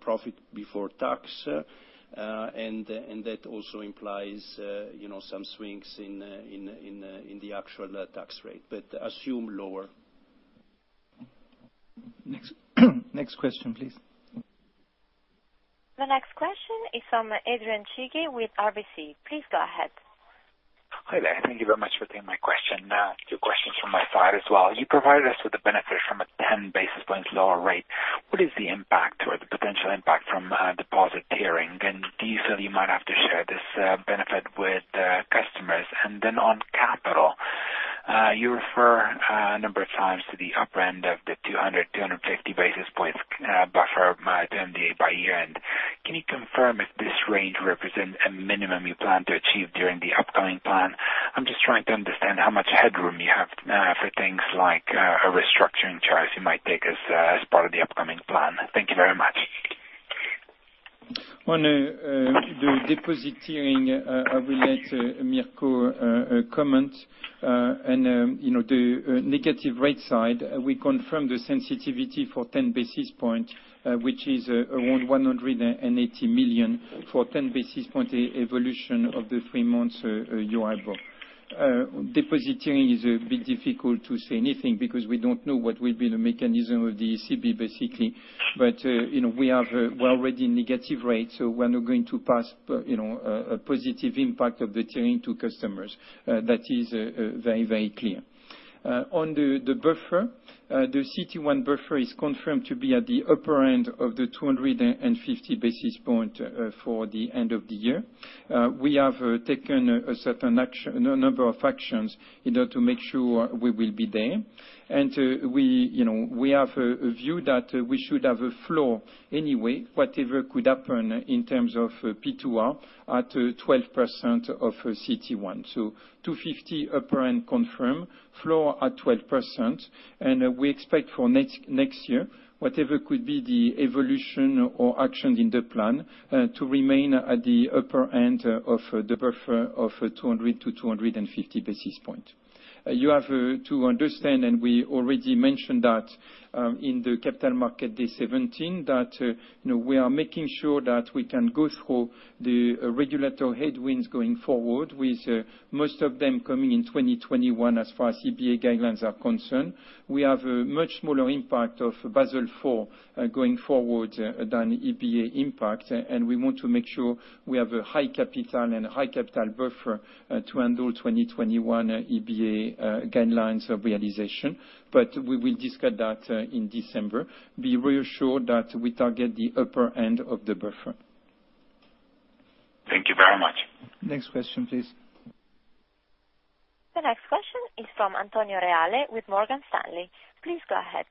profit before tax, that also implies some swings in the actual tax rate, but assume lower. Next question, please. The next question is from Adrian Cigi with RBC. Please go ahead. Hi there. Thank you very much for taking my question. Two questions from my side as well. You provided us with the benefit from a 10 basis points lower rate. What is the impact or the potential impact from deposit tiering? Do you feel you might have to share this benefit with customers? On capital, you refer a number of times to the upper end of the 200, 250 basis points buffer at the end of the year. Can you confirm if this range represents a minimum you plan to achieve during the upcoming plan? I'm just trying to understand how much headroom you have for things like a restructuring charge you might take as part of the upcoming plan. Thank you very much. On the deposit tiering, I will let Mirco comment. The negative rate side, we confirm the sensitivity for 10 basis points, which is around 180 million for 10 basis points evolution of the three months EURIBOR. Deposit tiering is a bit difficult to say anything, because we don't know what will be the mechanism of the ECB, basically. We are well read in negative rates, so we're not going to pass a positive impact of the tiering to customers. That is very, very clear. On the buffer, the CET1 buffer is confirmed to be at the upper end of the 250 basis points for the end of the year. We have taken a certain number of actions in order to make sure we will be there. Two, we have a view that we should have a floor anyway, whatever could happen in terms of P2R at 12% of CET1. 250 upper end confirm, floor at 12%, we expect for next year, whatever could be the evolution or action in the plan, to remain at the upper end of the buffer of 200 to 250 basis points. You have to understand, we already mentioned that in the Capital Markets Day 2017, that we are making sure that we can go through the regulatory headwinds going forward with most of them coming in 2021 as far as EBA guidelines are concerned. We have a much smaller impact of Basel IV going forward than EBA impact, we want to make sure we have a high capital and a high capital buffer to handle 2021 EBA guidelines of realization. We will discuss that in December. Be reassured that we target the upper end of the buffer. Thank you very much. Next question please. The next question is from Antonio Reale with Morgan Stanley. Please go ahead.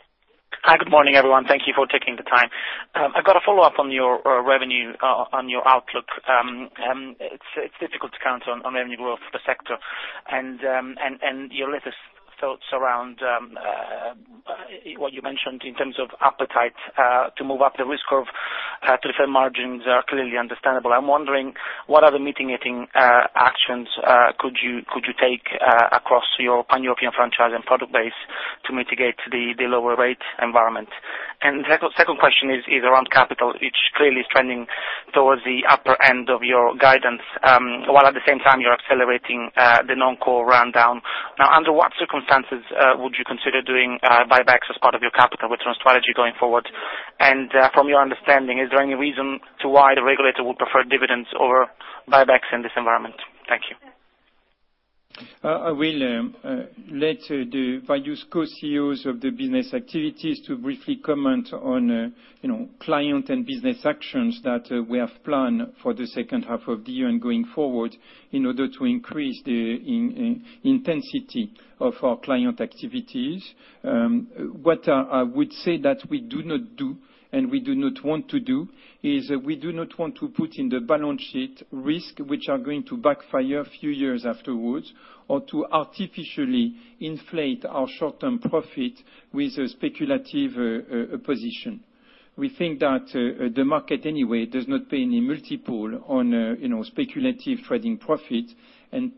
Hi, good morning, everyone. Thank you for taking the time. I've got a follow-up on your revenue, on your outlook. It's difficult to count on revenue growth for the sector, and your latest thoughts around what you mentioned in terms of appetite to move up the risk curve to defend margins are clearly understandable. I'm wondering what other mitigating actions could you take across your pan-European franchise and product base to mitigate the lower rate environment? Second question is around capital. It's clearly trending towards the upper end of your guidance, while at the same time you're accelerating the non-core rundown. Now, under what circumstances would you consider doing buybacks as part of your capital return strategy going forward? From your understanding, is there any reason to why the regulator would prefer dividends over buybacks in this environment? Thank you. I will let the various Co-CEOs of the business activities to briefly comment on client and business actions that we have planned for the second half of the year and going forward in order to increase the intensity of our client activities. What I would say that we do not do and we do not want to do is we do not want to put in the balance sheet risk, which are going to backfire a few years afterwards or to artificially inflate our short-term profit with a speculative position. We think that the market anyway does not pay any multiple on speculative trading profit.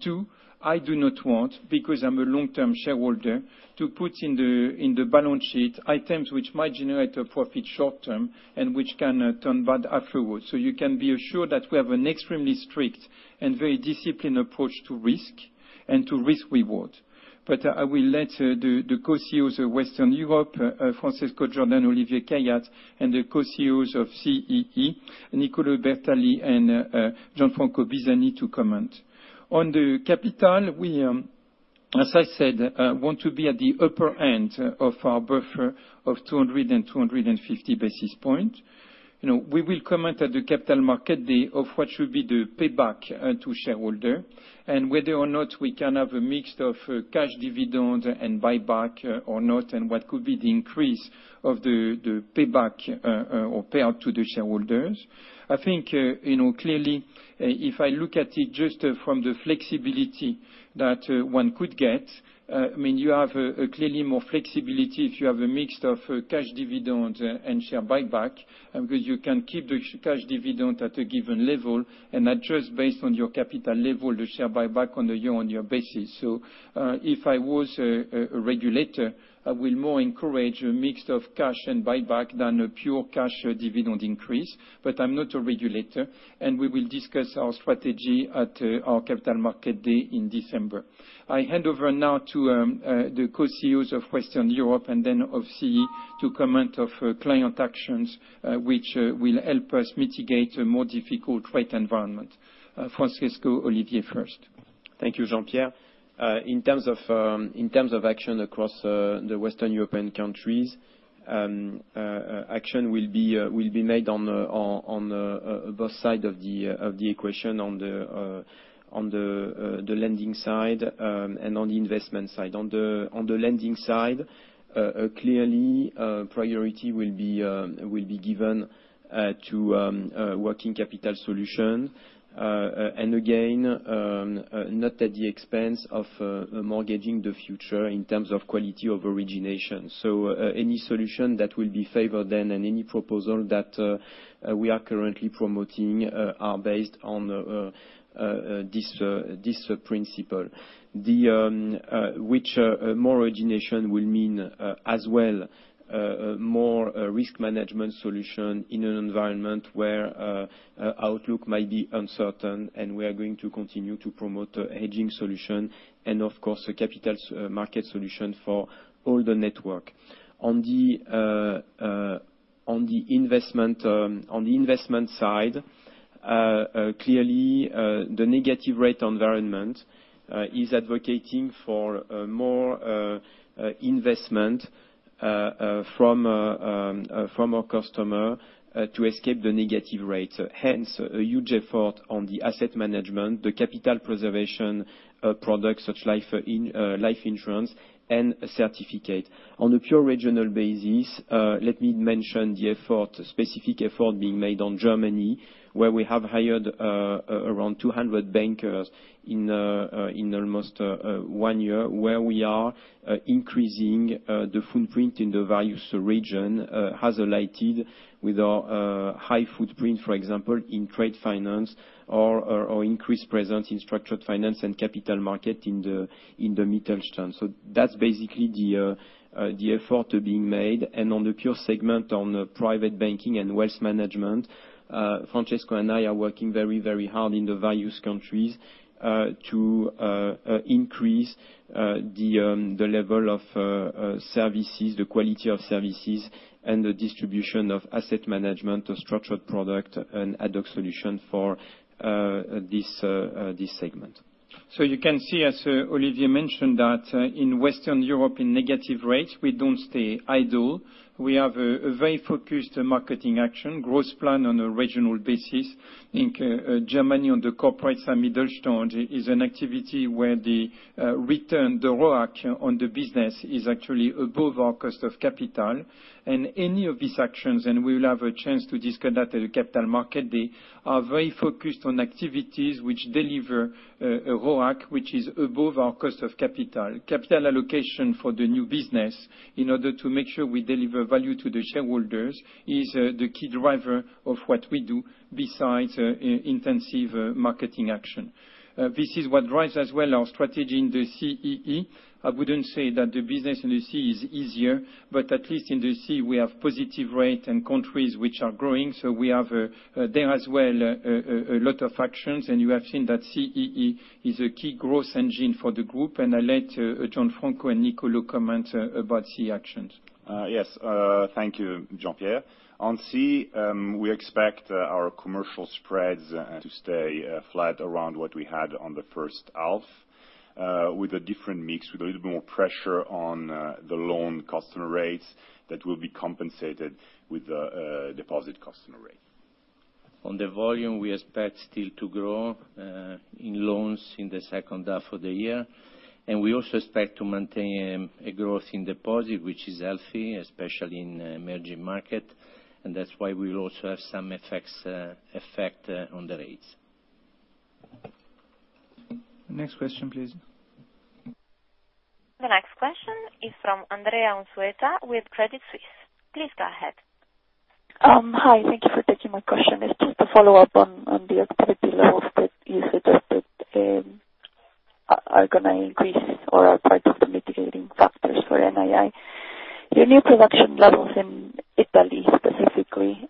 Two, I do not want, because I'm a long-term shareholder, to put in the balance sheet items which might generate a profit short term and which can turn bad afterwards. You can be assured that we have an extremely strict and very disciplined approach to risk and to risk-reward. I will let the Co-CEOs of Western Europe, Francesco Giordano, Olivier Khayat, and the Co-CEOs of CEE, Niccolò Bertini and Gianfranco Bisagni, to comment. On the capital, we, as I said, want to be at the upper end of our buffer of 200 and 250 basis points. We will comment at the Capital Market Day of what should be the payback to shareholder and whether or not we can have a mix of cash dividends and buyback or not, and what could be the increase of the payback or payout to the shareholders. I think, clearly, if I look at it just from the flexibility that one could get, you have clearly more flexibility if you have a mix of cash dividends and share buyback, because you can keep the cash dividend at a given level and adjust based on your capital level, the share buyback on a year-on-year basis. If I was a regulator, I will more encourage a mix of cash and buyback than a pure cash dividend increase. I'm not a regulator, and we will discuss our strategy at our Capital Market Day in December. I hand over now to the Co-CEOs of Western Europe and then of CEE to comment of client actions, which will help us mitigate a more difficult rate environment. Francesco, Olivier first. Thank you, Jean-Pierre. In terms of action across the Western European countries, action will be made on both sides of the equation, on the lending side and on the investment side. On the lending side, clearly, priority will be given to working capital solution. Again, not at the expense of mortgaging the future in terms of quality of origination. Any solution that will be favored then, and any proposal that we are currently promoting are based on this principle. Which more origination will mean as well more risk management solution in an environment where outlook might be uncertain, and we are going to continue to promote a hedging solution and of course, a capital market solution for all the network. On the investment side, clearly, the negative rate environment is advocating for more investment from our customer to escape the negative rate. A huge effort on the asset management, the capital preservation products such life insurance and a certificate. On a pure regional basis, let me mention the specific effort being made on Germany, where we have hired around 200 bankers in almost one year, where we are increasing the footprint in the Values region, highlighted with our high footprint, for example, in trade finance or increased presence in structured finance and capital market in the Mittelstand. That's basically the effort being made, and on the pure segment on private banking and wealth management, Francesco and I are working very hard in the Values countries to increase the level of services, the quality of services, and the distribution of asset management or structured product and ad hoc solution for this segment. You can see, as Olivier mentioned, that in Western Europe, in negative rates, we don't stay idle. We have a very focused marketing action, growth plan on a regional basis in Germany on the corporate side, Mittelstand is an activity where the return, the ROAC on the business is actually above our cost of capital. Any of these actions, and we will have a chance to discuss that at the Capital Market Day, are very focused on activities which deliver a ROAC which is above our cost of capital. Capital allocation for the new business in order to make sure we deliver value to the shareholders is the key driver of what we do besides intensive marketing action. This is what drives as well our strategy in the CEE. I wouldn't say that the business in the CEE is easier, but at least in the CEE, we have positive rate in countries which are growing. We have there as well a lot of actions, and you have seen that CEE is a key growth engine for the group, and I let Gianfranco and Niccolò comment about CEE actions. Yes. Thank you, Jean-Pierre. On CEE, we expect our commercial spreads to stay flat around what we had on the first half, with a different mix, with a little bit more pressure on the loan customer rates that will be compensated with the deposit customer rate. On the volume, we expect still to grow in loans in the second half of the year. We also expect to maintain a growth in deposit, which is healthy, especially in emerging markets. That's why we will also have some effect on the rates. Next question, please. The next question is from Andrea Enria with Credit Suisse. Please go ahead. Hi, thank you for taking my question. It's just a follow-up on the activity levels that you suggested are going to increase or are part of the mitigating factors for NII. Your new production levels in Italy specifically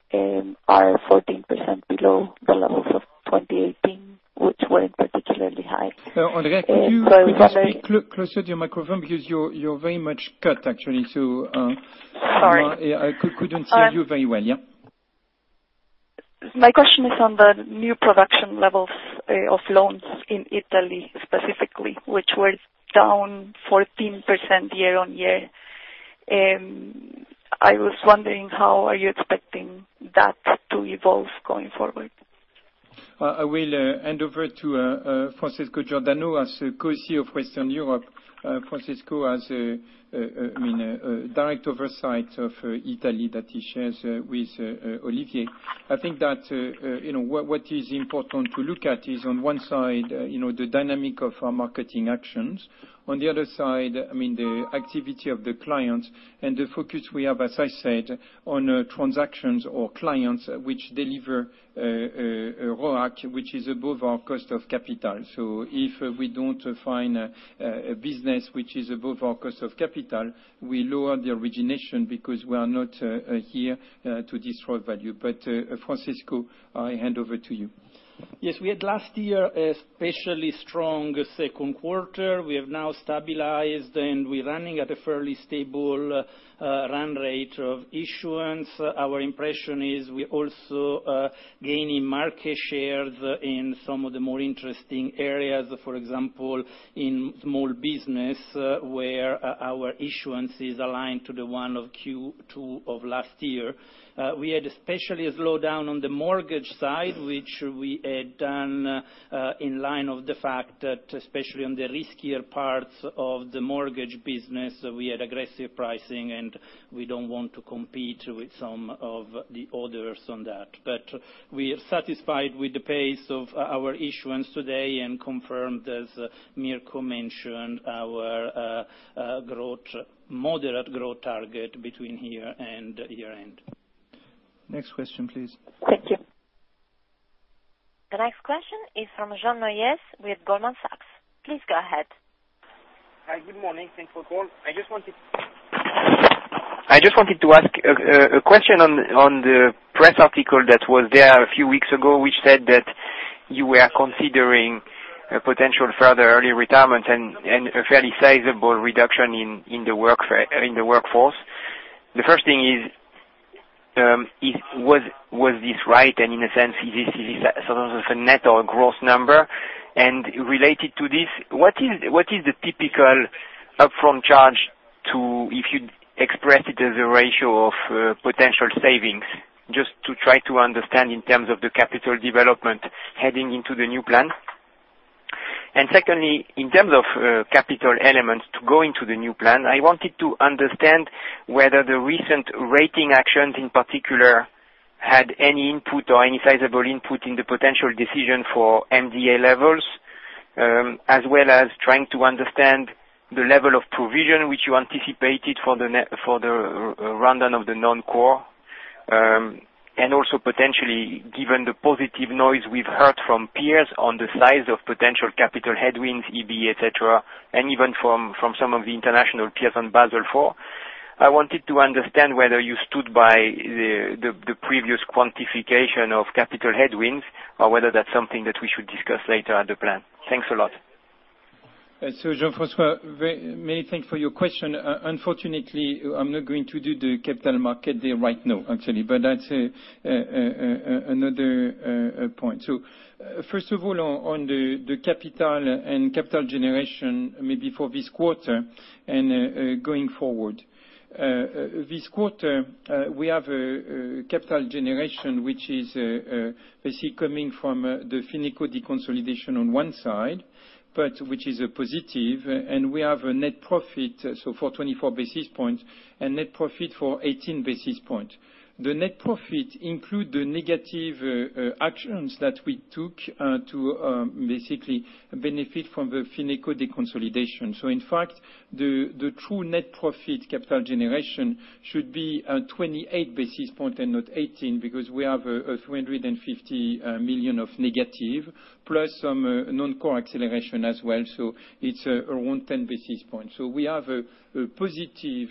are 14% below the levels of 2018, which weren't particularly high. Andrea, could you please speak closer to your microphone because you're very much cut, actually. Sorry. I couldn't hear you very well. Yeah. My question is on the new production levels of loans in Italy specifically, which were down 14% year-on-year. I was wondering how are you expecting that to evolve going forward? I will hand over to Francesco Giordano as Co-CEO of Western Europe. Francesco has direct oversight of Italy that he shares with Olivier. I think that what is important to look at is on one side, the dynamic of our marketing actions. On the other side, the activity of the clients and the focus we have, as I said, on transactions or clients which deliver ROAC, which is above our cost of capital. If we don't find a business which is above our cost of capital, we lower the origination because we are not here to destroy value. Francesco, I hand over to you. We had last year, an especially strong second quarter. We have now stabilized, we're running at a fairly stable run rate of issuance. Our impression is we're also gaining market shares in some of the more interesting areas, for example, in small business, where our issuance is aligned to the one of Q2 of last year. We had especially a slowdown on the mortgage side, which we had done in line of the fact that especially on the riskier parts of the mortgage business, we had aggressive pricing, and we don't want to compete with some of the others on that. We are satisfied with the pace of our issuance today and confirmed, as Mirco mentioned, our moderate growth target between here and year-end. Next question, please. Thank you. The next question is from Jean-François Neuez with Goldman Sachs. Please go ahead. Hi, good morning. Thanks for the call. I just wanted to ask a question on the press article that was there a few weeks ago, which said that you were considering a potential further early retirement and a fairly sizable reduction in the workforce. The first thing is, was this right? In a sense, is this a net or a gross number? Related to this, what is the typical upfront charge to, if you express it as a ratio of potential savings, just to try to understand in terms of the capital development heading into the new plan? Secondly, in terms of capital elements to go into the new plan, I wanted to understand whether the recent rating actions in particular had any input or any sizable input in the potential decision for MDA levels, as well as trying to understand the level of provision which you anticipated for the rundown of the non-core. Also potentially, given the positive noise we've heard from peers on the size of potential capital headwinds, EBA, et cetera, and even from some of the international peers on Basel IV, I wanted to understand whether you stood by the previous quantification of capital headwinds or whether that's something that we should discuss later at the plan. Thanks a lot. Jean-François, many thanks for your question. Unfortunately, I'm not going to do the capital market there right now, actually, but that's another point. First of all, on the capital and capital generation, maybe for this quarter and going forward. This quarter, we have a capital generation, which is basically coming from the FinecoBank deconsolidation on one side, but which is a positive, and we have a net profit for 24 basis points and net profit for 18 basis points. The net profit include the negative actions that we took to basically benefit from the FinecoBank deconsolidation. In fact, the true net profit capital generation should be 28 basis point and not 18, because we have 350 million of negative, plus some non-core acceleration as well. It's around 10 basis points. We have a positive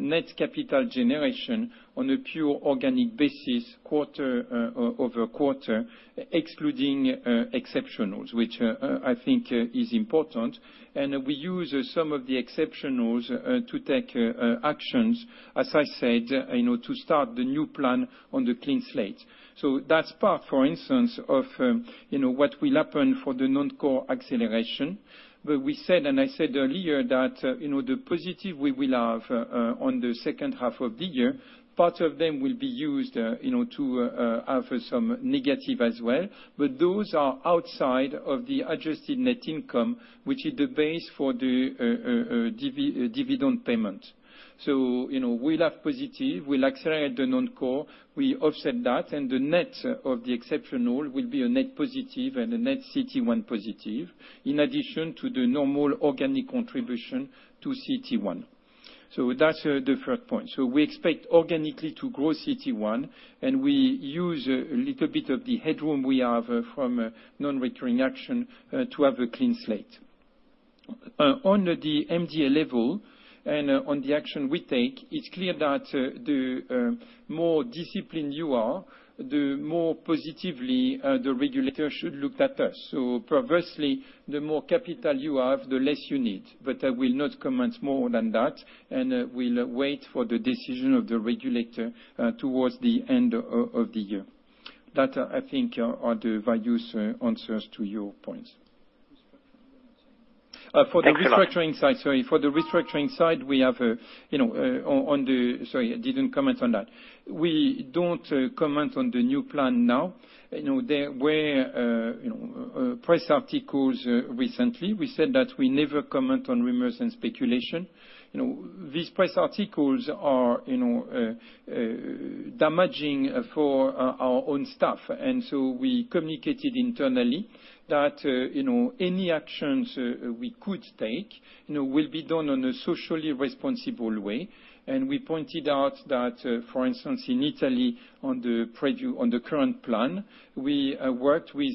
net capital generation on a pure organic basis quarter-over-quarter, excluding exceptionals, which I think is important. We use some of the exceptionals to take actions, as I said, to start the new plan on the clean slate. That's part, for instance, of what will happen for the non-core acceleration, where we said, and I said earlier that the positive we will have on the second half of the year, part of them will be used to have some negative as well. Those are outside of the adjusted net income, which is the base for the dividend payment. We'll have positive, we'll accelerate the non-core, we offset that, and the net of the exceptional will be a net positive and a net CET1 positive, in addition to the normal organic contribution to CET1. That's the third point. We expect organically to grow CET1, and we use a little bit of the headroom we have from non-recurring action to have a clean slate. On the MDA level and on the action we take, it's clear that the more disciplined you are, the more positively the regulator should look at us. Perversely, the more capital you have, the less you need. I will not comment more than that, and will wait for the decision of the regulator towards the end of the year. That I think are the various answers to your points. Thank you very much. For the restructuring side, sorry. For the restructuring side, sorry, I didn't comment on that. We don't comment on the new plan now. There were press articles recently. We said that we never comment on rumors and speculation. These press articles are damaging for our own staff. We communicated internally that any actions we could take will be done on a socially responsible way. We pointed out that, for instance, in Italy, on the current plan, we worked with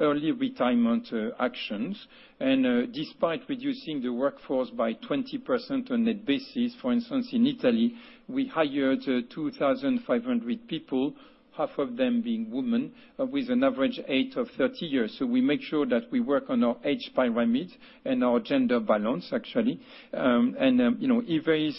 early retirement actions. Despite reducing the workforce by 20% on net basis, for instance, in Italy, we hired 2,500 people, half of them being women, with an average age of 30 years. We make sure that we work on our age pyramid and our gender balance, actually. If there is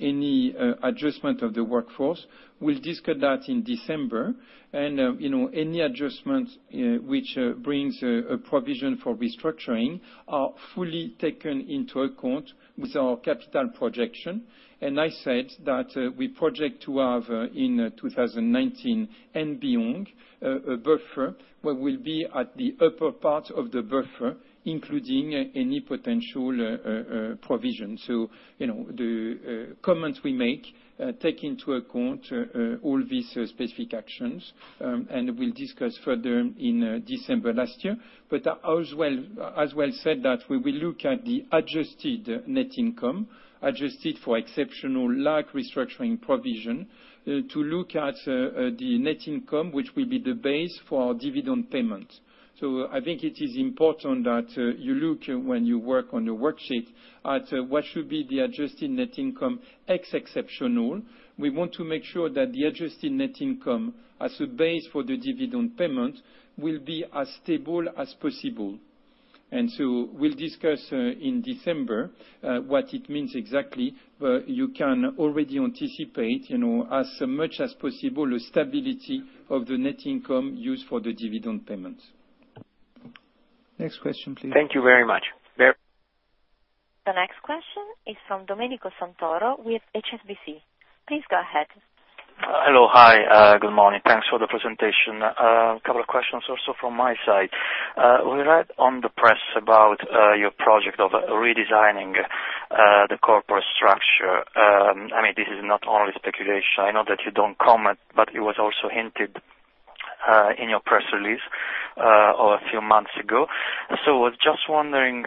any adjustment of the workforce, we'll discuss that in December. Any adjustments which brings a provision for restructuring are fully taken into account with our capital projection. I said that we project to have in 2019 and beyond, a buffer where we'll be at the upper part of the buffer, including any potential provision. The comments we make take into account all these specific actions, and we'll discuss further in December last year. As well said that we will look at the adjusted net income, adjusted for exceptional large restructuring provision to look at the net income, which will be the base for our dividend payment. I think it is important that you look when you work on your worksheet at what should be the adjusted net income, X exceptional. We want to make sure that the adjusted net income as a base for the dividend payment will be as stable as possible. We'll discuss in December what it means exactly, but you can already anticipate, as much as possible, a stability of the net income used for the dividend payments. Next question, please. Thank you very much. The next question is from Domenico Santoro with HSBC. Please go ahead. Hello. Hi, good morning. Thanks for the presentation. A couple of questions also from my side. We read on the press about your project of redesigning the corporate structure. This is not only speculation. I know that you don't comment, but it was also hinted in your press release a few months ago. I was just wondering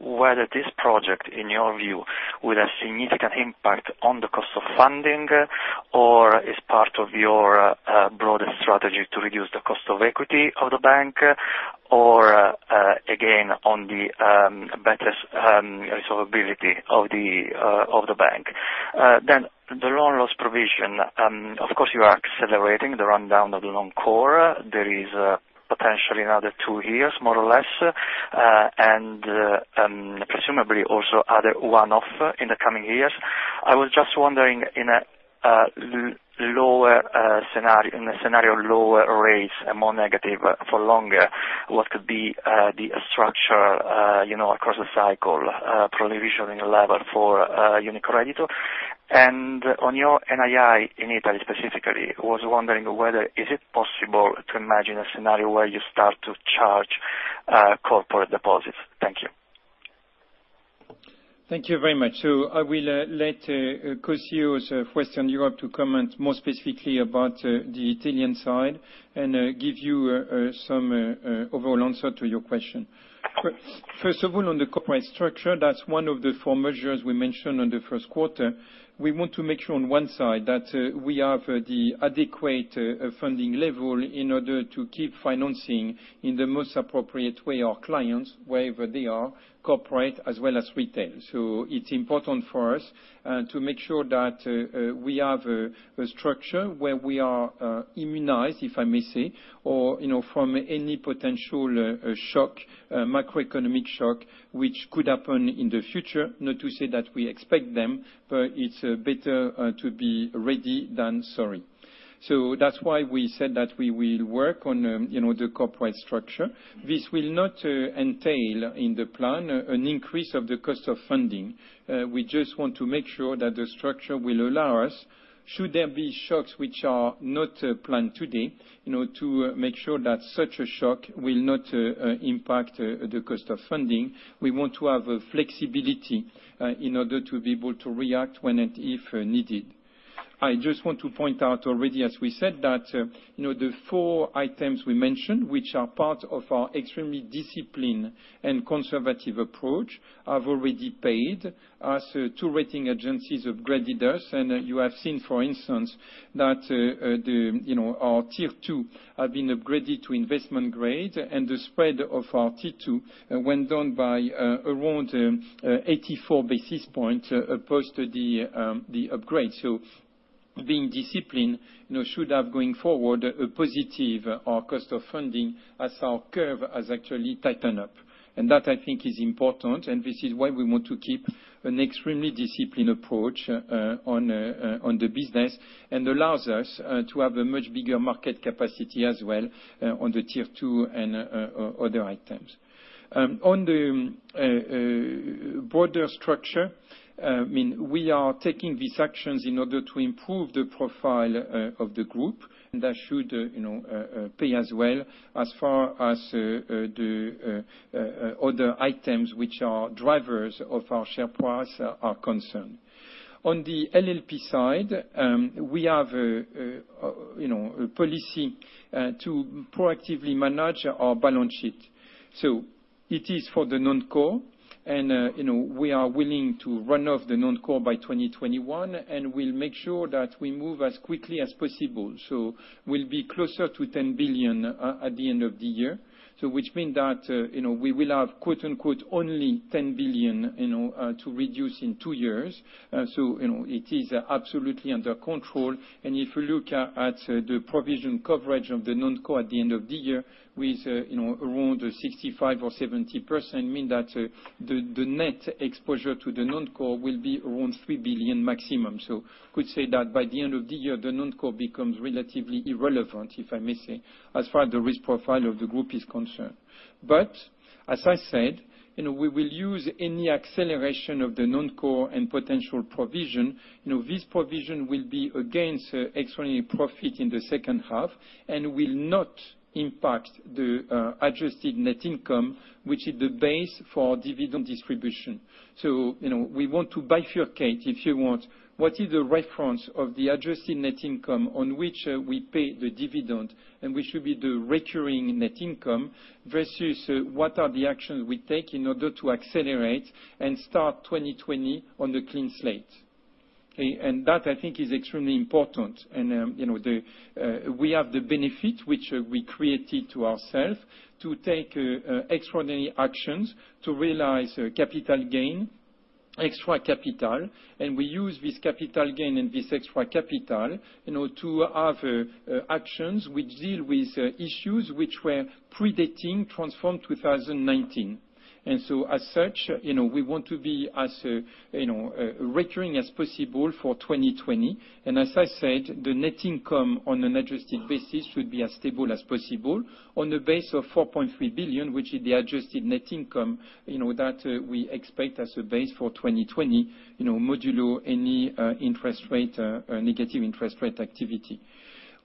whether this project, in your view, with a significant impact on the cost of funding, or is part of your broader strategy to reduce the cost of equity of the bank or, again, on the better solvability of the bank. The loan loss provision, of course, you are accelerating the rundown of the loan book. There is potentially another two years, more or less, and presumably also other one-off in the coming years. I was just wondering, in a scenario lower rates and more negative for longer, what could be the structure across the cycle provisioning level for UniCredit? On your NII in Italy specifically, I was wondering whether is it possible to imagine a scenario where you start to charge corporate deposits? Thank you. Thank you very much. I will let Co-CEOs Western Europe to comment more specifically about the Italian side and give you some overall answer to your question. First of all, on the corporate structure, that's one of the four measures we mentioned on the first quarter. We want to make sure on one side that we have the adequate funding level in order to keep financing in the most appropriate way our clients, wherever they are, corporate as well as retail. It's important for us to make sure that we have a structure where we are immunized, if I may say, from any potential macroeconomic shock, which could happen in the future. Not to say that we expect them, it's better to be ready than sorry. That's why we said that we will work on the corporate structure. This will not entail in the plan an increase of the cost of funding. We just want to make sure that the structure will allow us, should there be shocks which are not planned today, to make sure that such a shock will not impact the cost of funding. We want to have flexibility in order to be able to react when and if needed. I just want to point out already, as we said, that the four items we mentioned, which are part of our extremely disciplined and conservative approach, have already paid as two rating agencies upgraded us. You have seen, for instance, that our Tier 2 have been upgraded to investment grade, and the spread of our Tier 2 went down by around 84 basis points opposed to the upgrade. Being disciplined should have, going forward, a positive our cost of funding as our curve has actually tightened up. That I think is important, and this is why we want to keep an extremely disciplined approach on the business and allows us to have a much bigger market capacity as well on the Tier 2 and other items. On the broader structure, we are taking these actions in order to improve the profile of the group, and that should pay as well as far as the other items, which are drivers of our share price are concerned. On the LLP side, we have a policy to proactively manage our balance sheet. It is for the non-core, and we are willing to run off the non-core by 2021, and we'll make sure that we move as quickly as possible. We'll be closer to 10 billion at the end of the year. Which means that we will have only 10 billion to reduce in two years. It is absolutely under control. If you look at the provision coverage of the non-core at the end of the year with around 65% or 70%, means that the net exposure to the non-core will be around 3 billion maximum. Could say that by the end of the year, the non-core becomes relatively irrelevant, if I may say, as far as the risk profile of the group is concerned. As I said, we will use any acceleration of the non-core and potential provision. This provision will be against extraordinary profit in the second half and will not impact the adjusted net income, which is the base for our dividend distribution. We want to bifurcate, if you want, what is the reference of the adjusted net income on which we pay the dividend, and which will be the recurring net income versus what are the actions we take in order to accelerate and start 2020 on the clean slate. Okay. That, I think, is extremely important. We have the benefit, which we created to ourself to take extraordinary actions to realize capital gain, extra capital. We use this capital gain and this extra capital to have actions which deal with issues which were predating Transform 2019. As such, we want to be as recurring as possible for 2020. As I said, the net income on an adjusted basis should be as stable as possible on the base of 4.3 billion, which is the adjusted net income that we expect as a base for 2020, modulo any negative interest rate activity.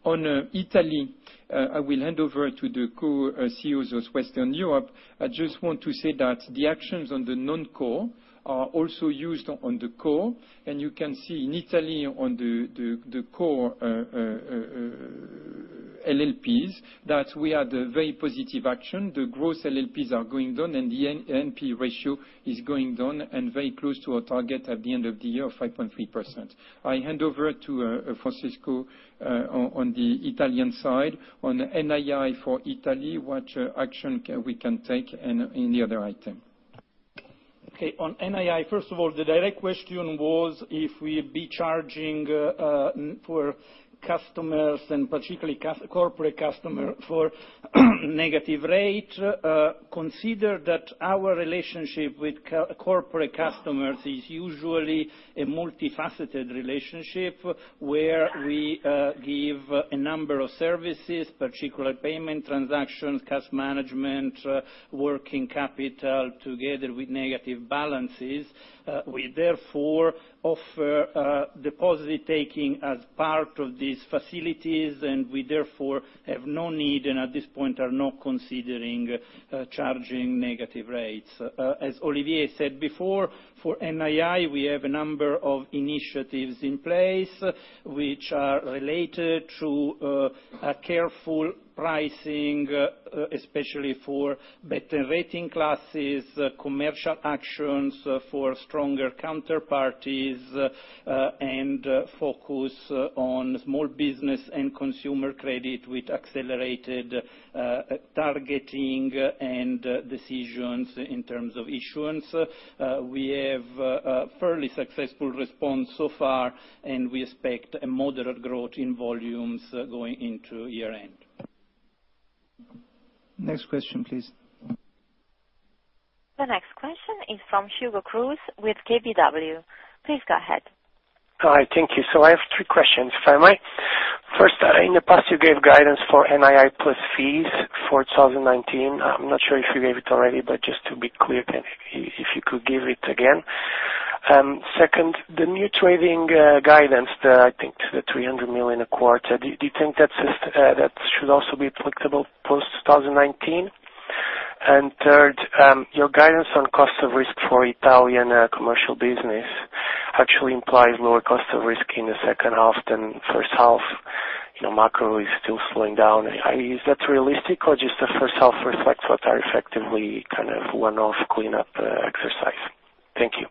Italy, I will hand over to the Co-CEO of Western Europe. I just want to say that the actions on the non-core are also used on the core. You can see in Italy on the core LLPs, that we had a very positive action. The gross LLPs are going down, and the NPL ratio is going down and very close to our target at the end of the year of 5.3%. I hand over to Francesco on the Italian side, on NII for Italy, what action we can take and any other item. Okay. On NII, first of all, the direct question was if we'll be charging for customers and particularly corporate customer for negative rate. Consider that our relationship with corporate customers is usually a multifaceted relationship where we give a number of services, particular payment transactions, cash management, working capital together with negative balances. We therefore offer deposit taking as part of these facilities, and we therefore have no need and at this point are not considering charging negative rates. As Olivier said before, for NII, we have a number of initiatives in place which are related to a careful pricing, especially for better rating classes, commercial actions for stronger counterparties, and focus on small business and consumer credit with accelerated targeting and decisions in terms of issuance. We have a fairly successful response so far, and we expect a moderate growth in volumes going into year-end. Next question, please. The next question is from Hugo Cruz with KBW. Please go ahead. Hi, thank you. I have three questions, if I might. First, in the past, you gave guidance for NII plus fees for 2019. I'm not sure if you gave it already, just to be clear, if you could give it again. Second, the new trading guidance, I think the 300 million a quarter, do you think that should also be applicable post 2019? Third, your guidance on cost of risk for Italian commercial business actually implies lower cost of risk in the second half than first half. Macro is still slowing down. Is that realistic or just the first half reflects what are effectively kind of one-off cleanup exercise? Thank you.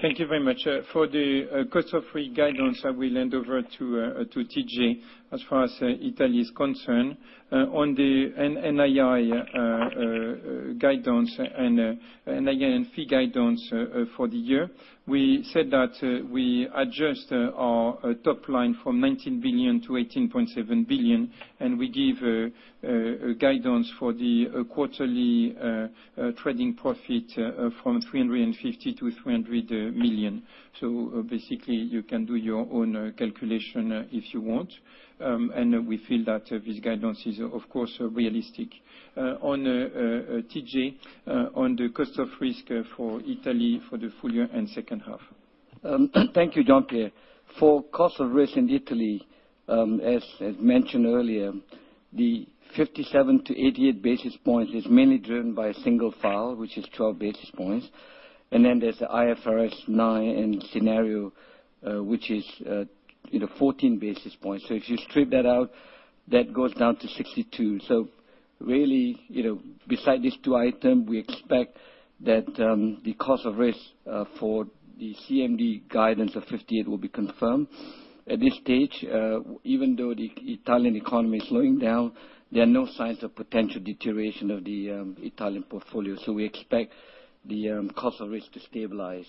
Thank you very much. For the cost of risk guidance, I will hand over to TJ, as far as Italy is concerned. On the NII guidance and NII and fee guidance for the year, we said that we adjust our top line from 19 billion to 18.7 billion. We give a guidance for the quarterly trading profit from 350 million to 300 million. Basically you can do your own calculation if you want. We feel that this guidance is, of course, realistic. TJ, on the cost of risk for Italy for the full year and second half. Thank you, Jean-Pierre. For cost of risk in Italy, as mentioned earlier, the 57-88 basis points is mainly driven by a single file, which is 12 basis points. There's the IFRS 9 scenario, which is 14 basis points. If you strip that out, that goes down to 62. Really, beside these two items, we expect that the cost of risk for the CMD guidance of 58 will be confirmed. At this stage, even though the Italian economy is slowing down, there are no signs of potential deterioration of the Italian portfolio. We expect the cost of risk to stabilize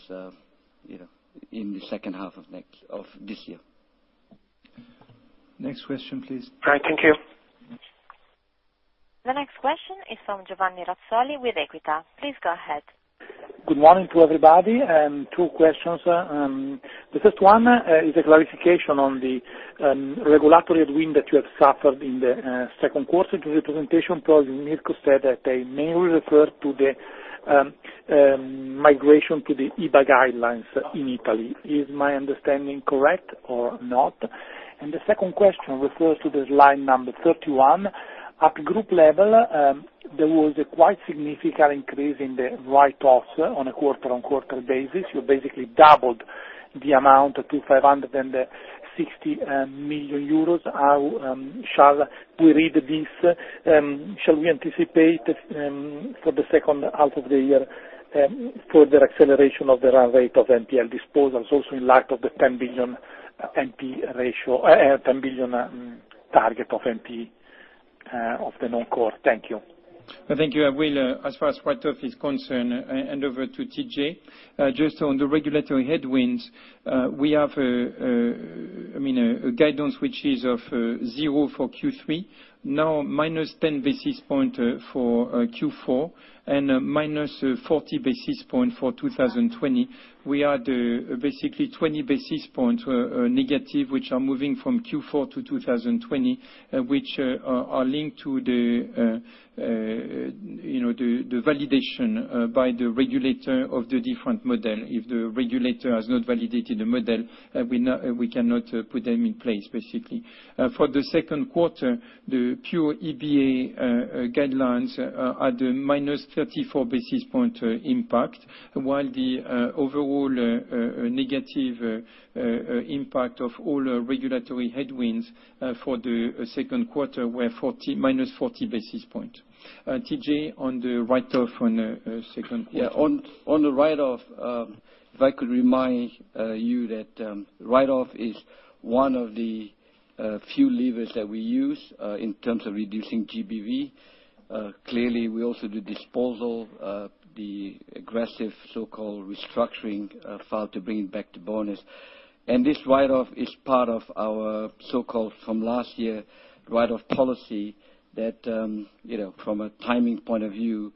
in the second half of this year. Next question, please. All right, thank you. The next question is from Giovanni Razzoli with Equita. Please go ahead. Good morning to everybody. Two questions. The first one is a clarification on the regulatory wind that you have suffered in the second quarter. During the presentation, Mirco said that they mainly refer to the migration to the EBA guidelines in Italy. Is my understanding correct or not? The second question refers to the line number 31. At group level, there was a quite significant increase in the write-offs on a quarter-on-quarter basis. You basically doubled the amount to 560 million euros. How shall we read this? Shall we anticipate for the second half of the year, further acceleration of the run rate of NPL disposals also in light of the 10 billion target of NP of the non-core? Thank you. Thank you. I will, as far as write-off is concerned, hand over to TJ. Just on the regulatory headwinds, we have a guidance which is of 0 for Q3, now minus 10 basis points for Q4, and minus 40 basis points for 2020. We are at basically 20 basis points negative, which are moving from Q4 to 2020, which are linked to the validation by the regulator of the different model. If the regulator has not validated the model, we cannot put them in place, basically. For the second quarter, the pure EBA guidelines are the minus 34 basis points impact, while the overall negative impact of all regulatory headwinds for the second quarter were minus 40 basis points. TJ, on the write-off on the second quarter. Yeah, on the write-off, if I could remind you that write-off is one of the few levers that we use in terms of reducing GBV. We also do disposal, the aggressive so-called restructuring file to bring it back to bonis. This write-off is part of our so-called, from last year, write-off policy that from a timing point of view,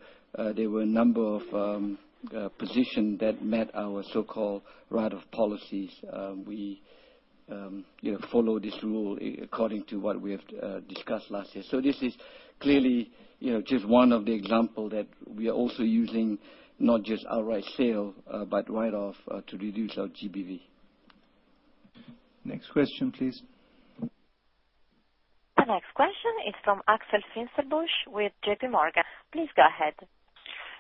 there were a number of position that met our so-called write-off policies. We follow this rule according to what we have discussed last year. This is clearly just one of the example that we are also using, not just outright sale, but write-off to reduce our GBV. Next question, please. The next question is from Axel Finsterbusch with JP Morgan. Please go ahead.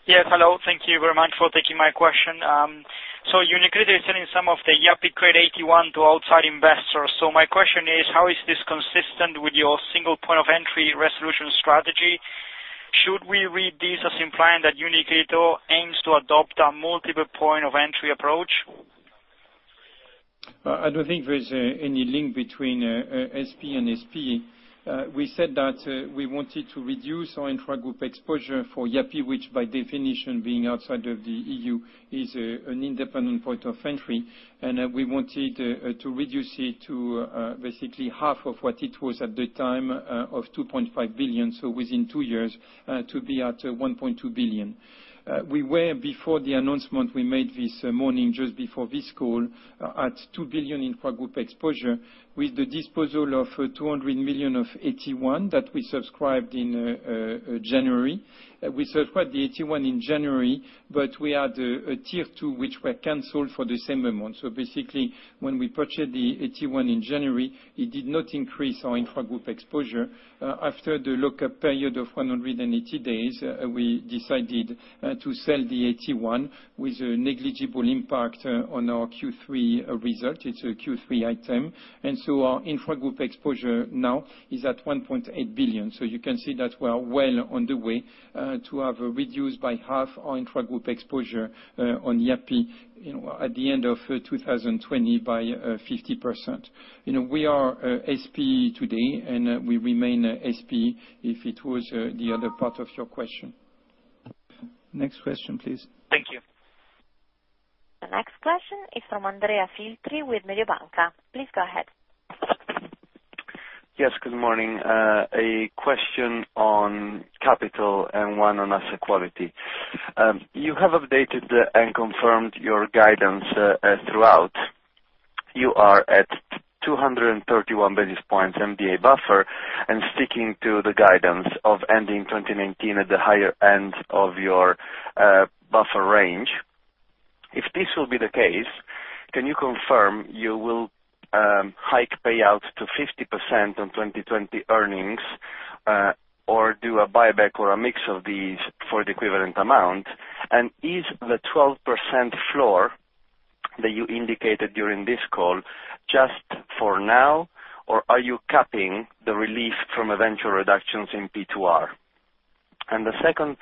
Yes, hello. Thank you very much for taking my question. UniCredit is selling some of the Yapı Kredi AT1 to outside investors. My question is, how is this consistent with your single point of entry resolution strategy? Should we read this as implying that UniCredit aims to adopt a multiple point of entry approach? I don't think there is any link between SPE and SPE. We said that we wanted to reduce our intra-group exposure for Yapı, which by definition, being outside of the EU, is an independent point of entry. We wanted to reduce it to basically half of what it was at the time of 2.5 billion, so within two years to be at 1.2 billion. We were, before the announcement we made this morning just before this call, at 2 billion intra-group exposure with the disposal of 200 million of AT1 that we subscribed in January. We subscribed the AT1 in January, we had a tier 2 which were canceled for the same amount. Basically, when we purchased the AT1 in January, it did not increase our intra-group exposure. After the lock-up period of 180 days, we decided to sell the AT1 with a negligible impact on our Q3 result. It's a Q3 item. Our intra-group exposure now is at 1.8 billion. You can see that we are well on the way to have reduced by half our intra-group exposure on Yapı at the end of 2020 by 50%. We are SPE today, and we remain SPE if it was the other part of your question. Next question, please. Thank you. Is from Andrea Filtri with Mediobanca. Please go ahead. Yes, good morning. A question on capital and one on asset quality. You have updated and confirmed your guidance throughout. You are at 231 basis points MDA buffer and sticking to the guidance of ending 2019 at the higher end of your buffer range. If this will be the case, can you confirm you will hike payouts to 50% on 2020 earnings, or do a buyback or a mix of these for the equivalent amount? Is the 12% floor that you indicated during this call just for now, or are you capping the relief from eventual reductions in P2R? The second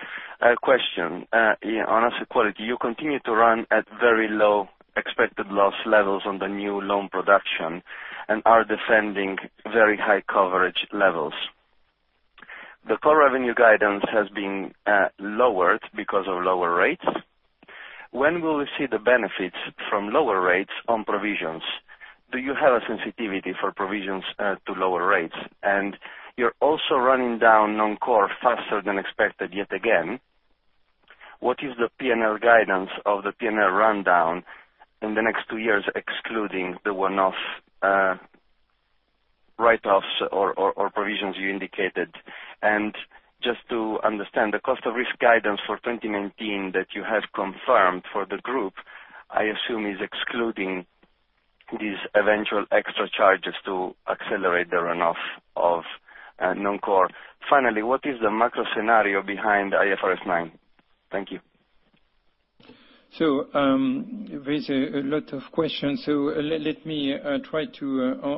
question, on asset quality. You continue to run at very low expected loss levels on the new loan production and are defending very high coverage levels. The core revenue guidance has been lowered because of lower rates. When will we see the benefits from lower rates on provisions? Do you have a sensitivity for provisions to lower rates? You're also running down non-core faster than expected yet again. What is the P&L guidance of the P&L rundown in the next two years, excluding the one-off write-offs or provisions you indicated? Just to understand, the cost of risk guidance for 2019 that you have confirmed for the group, I assume is excluding these eventual extra charges to accelerate the run-off of non-core. Finally, what is the macro scenario behind IFRS 9? Thank you. There's a lot of questions. Let me try to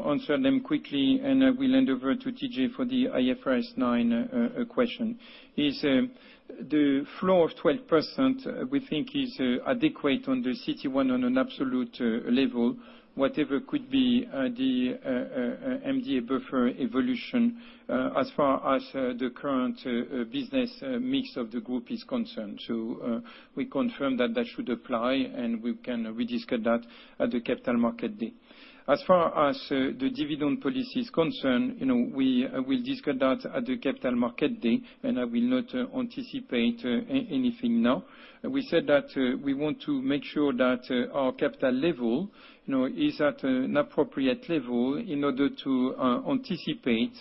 answer them quickly, and I will hand over to TJ for the IFRS 9 question. The floor of 12% we think is adequate under CET1 on an absolute level, whatever could be the MDA buffer evolution, as far as the current business mix of the group is concerned. We confirm that should apply, and we can rediscuss that at the capital market day. As far as the dividend policy is concerned, we'll discuss that at the capital market day, and I will not anticipate anything now. We said that we want to make sure that our capital level is at an appropriate level in order to anticipate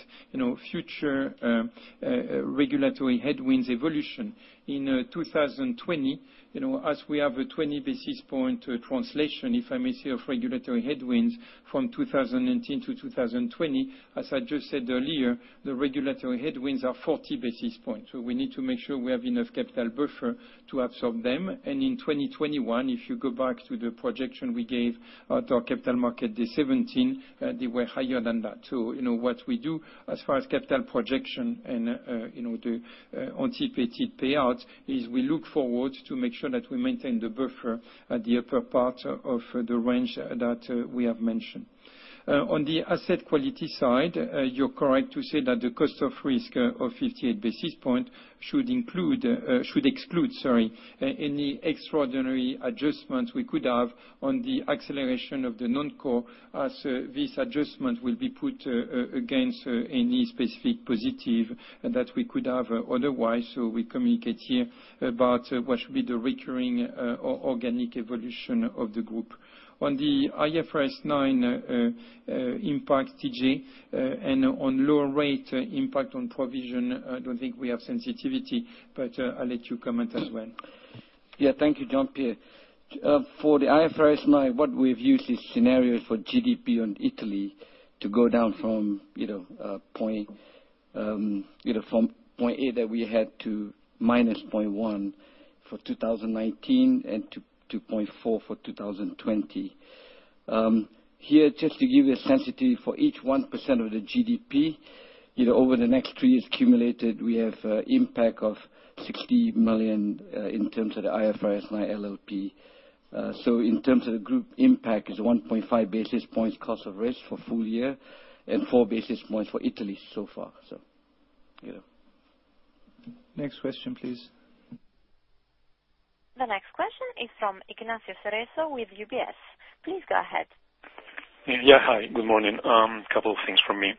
future regulatory headwinds evolution. In 2020, as we have a 20 basis point translation, if I may say, of regulatory headwinds from 2019 to 2020, as I just said earlier, the regulatory headwinds are 40 basis points. We need to make sure we have enough capital buffer to absorb them. In 2021, if you go back to the projection we gave at our capital market day 2017, they were higher than that. What we do as far as capital projection and the anticipated payouts, is we look forward to make sure that we maintain the buffer at the upper part of the range that we have mentioned. On the asset quality side, you're correct to say that the cost of risk of 58 basis points should exclude any extraordinary adjustments we could have on the acceleration of the non-core, as this adjustment will be put against any specific positive that we could have otherwise. We communicate here about what should be the recurring organic evolution of the group. On the IFRS 9 impact, TJ, and on lower rate impact on provision, I don't think we have sensitivity, but I'll let you comment as well. Yeah. Thank you, Jean-Pierre. For the IFRS 9, what we've used is scenarios for GDP on Italy to go down from point A that we had to -0.1% for 2019 and to 0.4% for 2020. Here, just to give you a sensitivity for each 1% of the GDP, over the next three years accumulated, we have impact of 60 million in terms of the IFRS and our LLP. In terms of the group impact, is 1.5 basis points cost of risk for full year, and four basis points for Italy so far. Next question, please. The next question is from Ignacio Cerezo with UBS. Please go ahead. Yeah, hi. Good morning. Couple of things from me.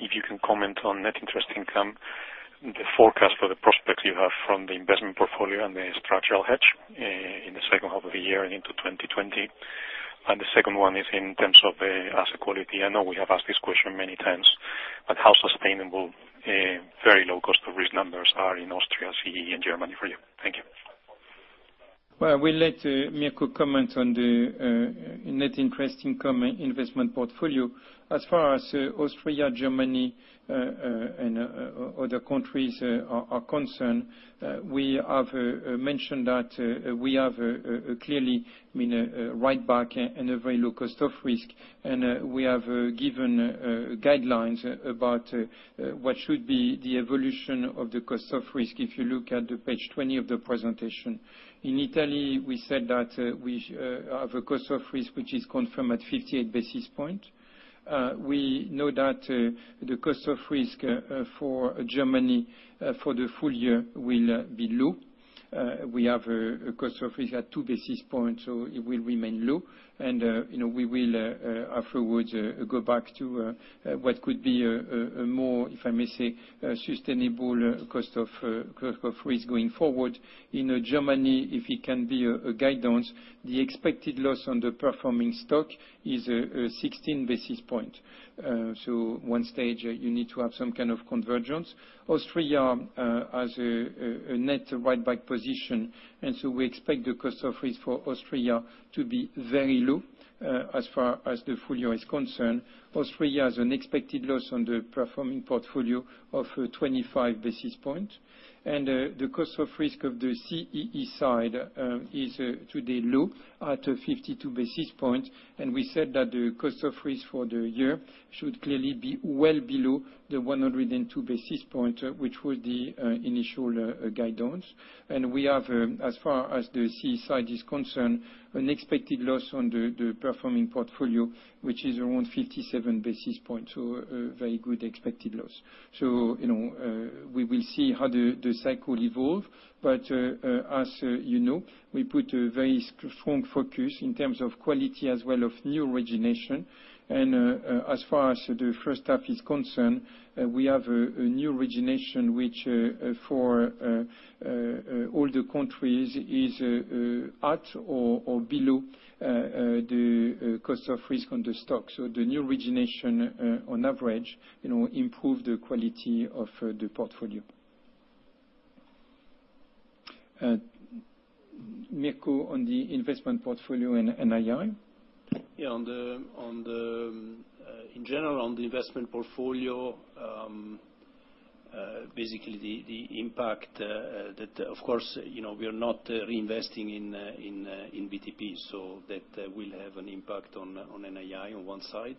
If you can comment on net interest income, the forecast for the prospects you have from the investment portfolio and the structural hedge in the second half of the year and into 2020. The second one is in terms of the asset quality. I know we have asked this question many times, but how sustainable very low cost of risk numbers are in Austria, CE, and Germany for you? Thank you. Well, I will let Mirco comment on the net interest income investment portfolio. As far as Austria, Germany, and other countries are concerned, we have mentioned that we have clearly made a write-back and a very low cost of risk, and we have given guidelines about what should be the evolution of the cost of risk, if you look at the page 20 of the presentation. In Italy, we said that we have a cost of risk which is confirmed at 58 basis points. We know that the cost of risk for Germany for the full year will be low. We have a cost of risk at two basis points. It will remain low. We will afterwards go back to what could be a more, if I may say, sustainable cost of risk going forward. In Germany, if it can be a guidance, the expected loss on the performing stock is 16 basis point. Stage 1, you need to have some kind of convergence. Austria has a net write-back position. We expect the cost of risk for Austria to be very low, as far as the full year is concerned. Austria has an expected loss on the performing portfolio of 25 basis point. The cost of risk of the CEE side is today low at 52 basis points. We said that the cost of risk for the year should clearly be well below the 102 basis point, which was the initial guidance. We have, as far as the CEE side is concerned, an expected loss on the performing portfolio, which is around 57 basis point, so a very good expected loss. We will see how the cycle evolve. As you know, we put a very strong focus in terms of quality as well as new origination. As far as the first half is concerned, we have a new origination which, for all the countries, is at or below the cost of risk on the stock. The new origination, on average, improve the quality of the portfolio. Mirco, on the investment portfolio and NII? Yeah. In general, on the investment portfolio, basically the impact that, of course, we are not reinvesting in BTP, that will have an impact on NII on one side.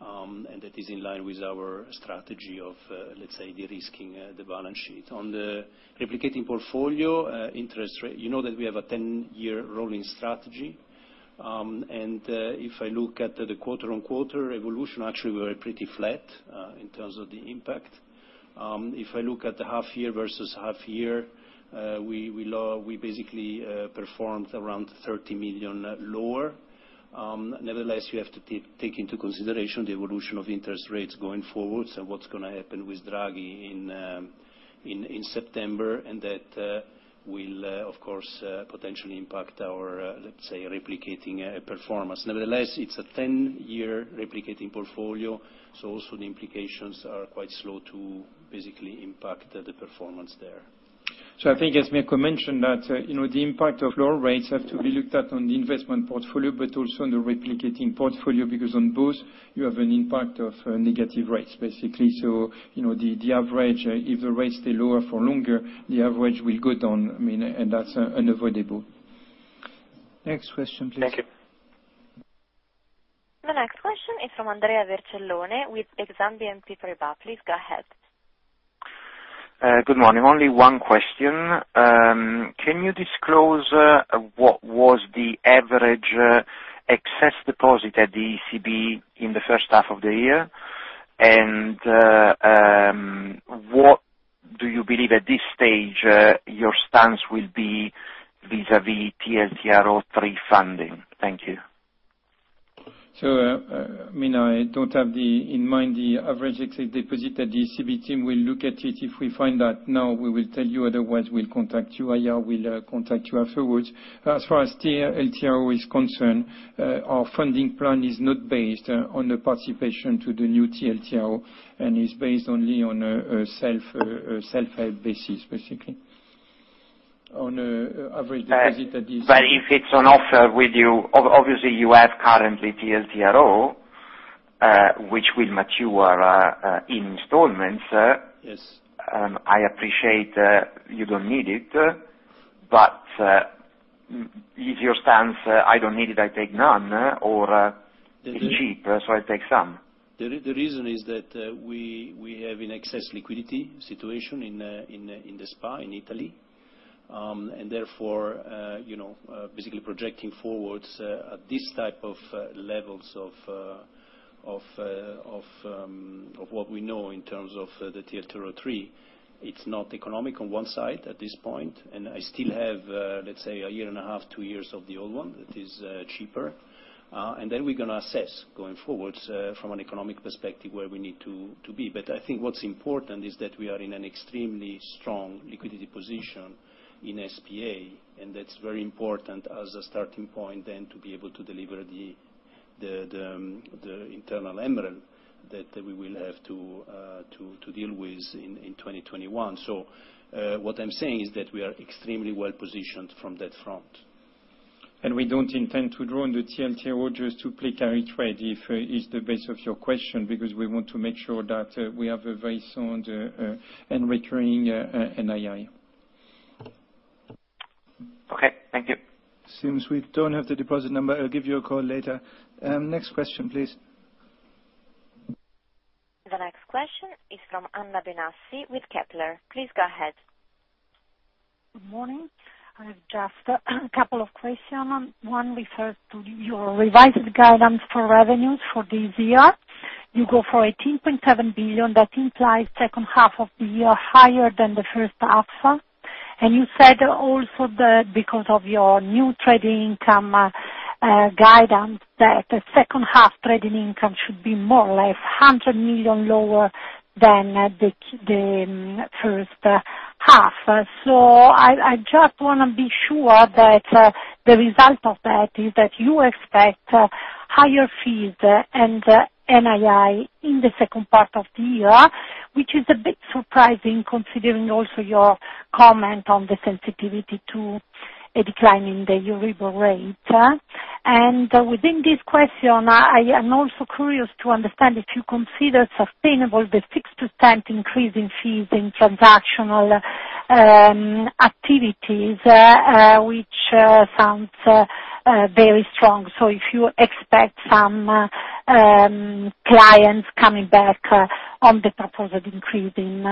That is in line with our strategy of, let's say, de-risking the balance sheet. On the replicating portfolio interest rate, you know that we have a 10-year rolling strategy. If I look at the quarter-on-quarter evolution, actually we are pretty flat in terms of the impact. If I look at the half-year versus half-year, we basically performed around 30 million lower. Nevertheless, you have to take into consideration the evolution of interest rates going forwards and what's going to happen with Draghi in September, that will, of course, potentially impact our, let's say, replicating performance. It's a 10-year replicating portfolio, also the implications are quite slow to basically impact the performance there. I think as Mirco mentioned that the impact of lower rates have to be looked at on the investment portfolio, but also on the replicating portfolio, because on both you have an impact of negative rates basically. If the rates stay lower for longer, the average will go down, and that's unavoidable. Next question, please. Thank you. The next question is from Andrea Vercellone with Exane BNP Paribas. Please go ahead. Good morning. Only one question. Can you disclose what was the average excess deposit at the ECB in the first half of the year? What do you believe at this stage your stance will be vis-à-vis TLTRO III funding? Thank you. I don't have in mind the average excess deposit at the ECB team will look at it. If we find that now, we will tell you, otherwise, we'll contact you. IR will contact you afterwards. As far as TLTRO is concerned, our funding plan is not based on the participation to the new TLTRO and is based only on a self-help basis, basically, on average deposit. If it's on offer with you, obviously you have currently TLTRO, which will mature in installments. Yes. I appreciate you don't need it, but is your stance, "I don't need it, I take none," or? The re- It's cheap, so I take some? The reason is that we have an excess liquidity situation in the SPA in Italy. Therefore, basically projecting forwards at this type of levels of what we know in terms of the TLTRO III, it's not economic on one side at this point, and I still have, let's say, a year and a half, two years of the old one that is cheaper. Then we're going to assess, going forwards, from an economic perspective, where we need to be. I think what's important is that we are in an extremely strong liquidity position in SPA, and that's very important as a starting point then to be able to deliver the internal MREL that we will have to deal with in 2021. What I'm saying is that we are extremely well-positioned from that front. We don't intend to draw on the TLTRO just to play carry trade, if it is the base of your question, because we want to make sure that we have a very sound and recurring NII. Okay. Thank you. Seems we don't have the deposit number. I'll give you a call later. Next question, please. The next question is from Anna Benassi with Kepler. Please go ahead. Good morning. I have just a couple of question. One refers to your revised guidance for revenues for this year. You go for 18.7 billion. That implies second half of the year higher than the first half. You said also that because of your new trading income guidance, that the second half trading income should be more or less 100 million lower than the first half. I just want to be sure that the result of that is that you expect higher fees and NII in the second part of the year, which is a bit surprising considering also your comment on the sensitivity to a decline in the EURIBOR rate. Within this question, I am also curious to understand if you consider sustainable the 6% increase in fees in transactional activities, which sounds very strong. If you expect some clients coming back on the proposed increase in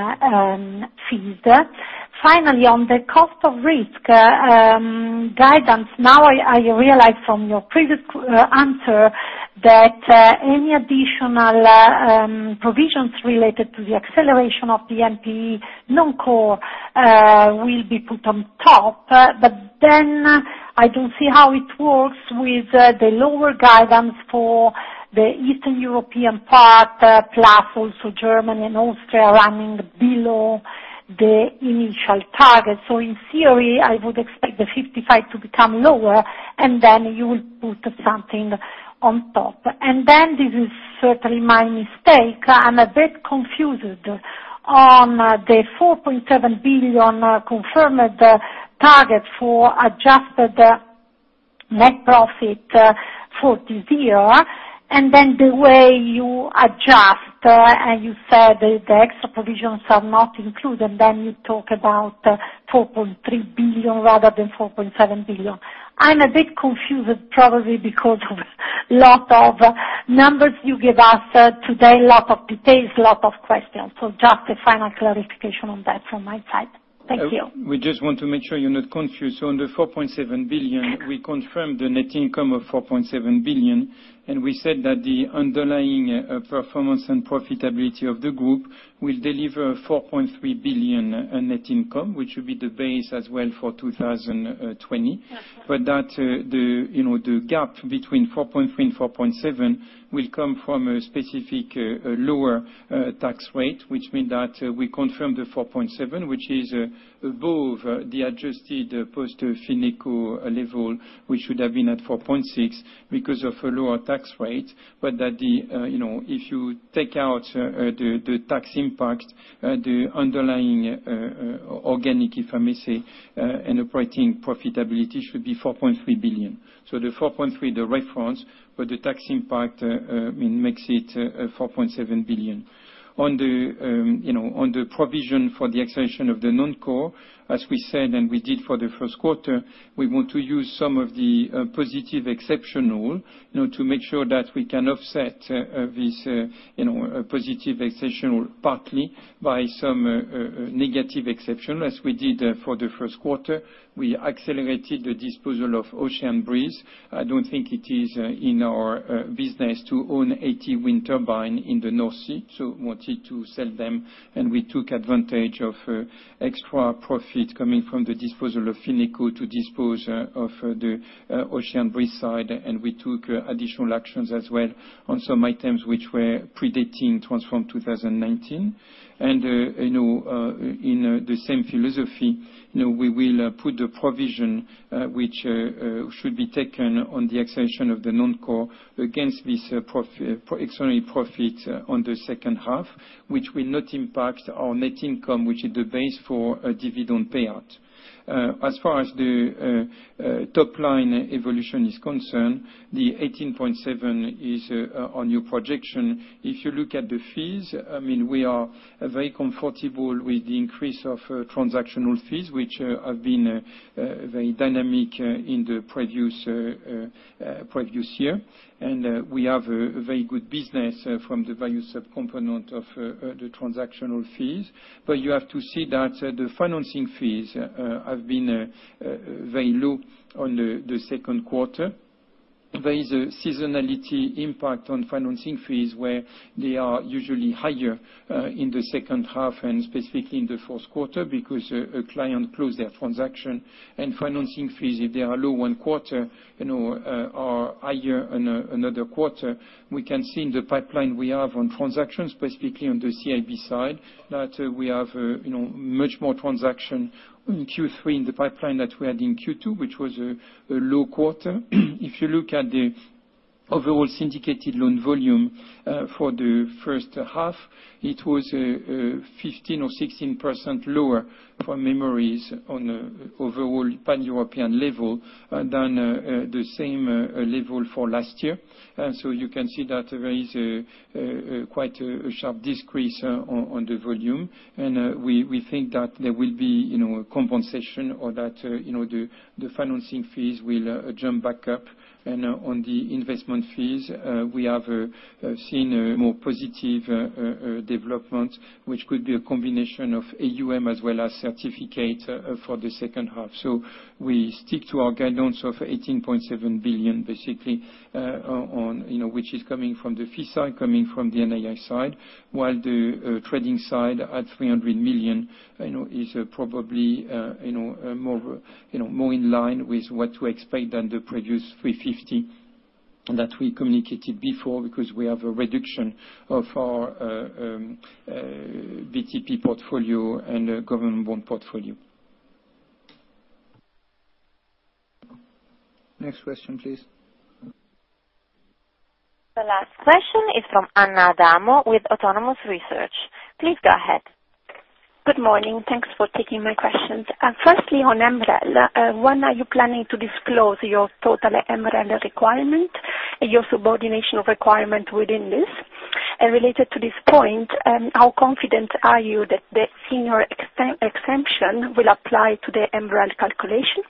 fees. Finally, on the cost of risk guidance, now I realize from your previous answer that any additional provisions related to the acceleration of the NPE non-core will be put on top. I don't see how it works with the lower guidance for the Eastern European part, plus also Germany and Austria running below the initial target. In theory, I would expect the 55 to become lower, and then you will put something on top. This is certainly my mistake, I'm a bit confused on the 4.7 billion confirmed target for adjusted net profit for this year, and then the way you adjust, and you said the extra provisions are not included, then you talk about 4.3 billion rather than 4.7 billion. I'm a bit confused, probably because of lot of numbers you give us today, lot of details, lot of questions. Just a final clarification on that from my side. Thank you. We just want to make sure you're not confused. On the 4.7 billion, we confirmed the net income of 4.7 billion, and we said that the underlying performance and profitability of the group will deliver 4.3 billion net income, which will be the base as well for 2020. The gap between 4.3 and 4.7 will come from a specific lower tax rate, which means that we confirm the 4.7, which is above the adjusted post-FinecoBank level, which would have been at 4.6 because of a lower tax rate. If you take out the tax impact, the underlying organic, if I may say, and operating profitability should be 4.3 billion. The 4.3, the reference, but the tax impact makes it 4.7 billion. On the provision for the acceleration of the non-core, as we said and we did for the first quarter, we want to use some of the positive exceptional to make sure that we can offset this positive exceptional partly by some negative exceptional, as we did for the first quarter. We accelerated the disposal of Ocean Breeze. I don't think it is in our business to own 80 wind turbine in the North Sea, so wanted to sell them, and we took advantage of extra profit coming from the disposal of FinecoBank to dispose of the Ocean Breeze side, and we took additional actions as well on some items which were predating Transform 2019. In the same philosophy, we will put a provision which should be taken on the acceleration of the non-core against this extraordinary profit on the second half, which will not impact our net income, which is the base for a dividend payout. As far as the top line evolution is concerned, the 18.7 is on your projection. If you look at the fees, we are very comfortable with the increase of transactional fees, which have been very dynamic in the previous year, and we have a very good business from the value sub-component of the transactional fees. You have to see that the financing fees have been very low on the second quarter. There is a seasonality impact on financing fees where they are usually higher in the second half and specifically in the fourth quarter because a client close their transaction, and financing fees, if they are low one quarter are higher another quarter. We can see in the pipeline we have on transactions, specifically on the CIB side, that we have much more transaction in Q3 in the pipeline that we had in Q2, which was a low quarter. If you look at the overall syndicated loan volume for the first half, it was 15% or 16% lower from memory on overall pan-European level than the same level for last year. You can see that there is quite a sharp decrease on the volume, and we think that there will be Compensation or that the financing fees will jump back up on the investment fees. We have seen a more positive development, which could be a combination of AUM as well as certificate for the second half. We stick to our guidance of 18.7 billion basically, which is coming from the fee side, coming from the NII side, while the trading side at 300 million is probably more in line with what to expect than the previous 350 that we communicated before, because we have a reduction of our BTP portfolio and government bond portfolio. Next question, please. The last question is from Anna Adamo with Autonomous Research. Please go ahead. Good morning. Thanks for taking my questions. Firstly, on MREL, when are you planning to disclose your total MREL requirement, your subordination requirement within this? Related to this point, how confident are you that the senior exemption will apply to the MREL calculation?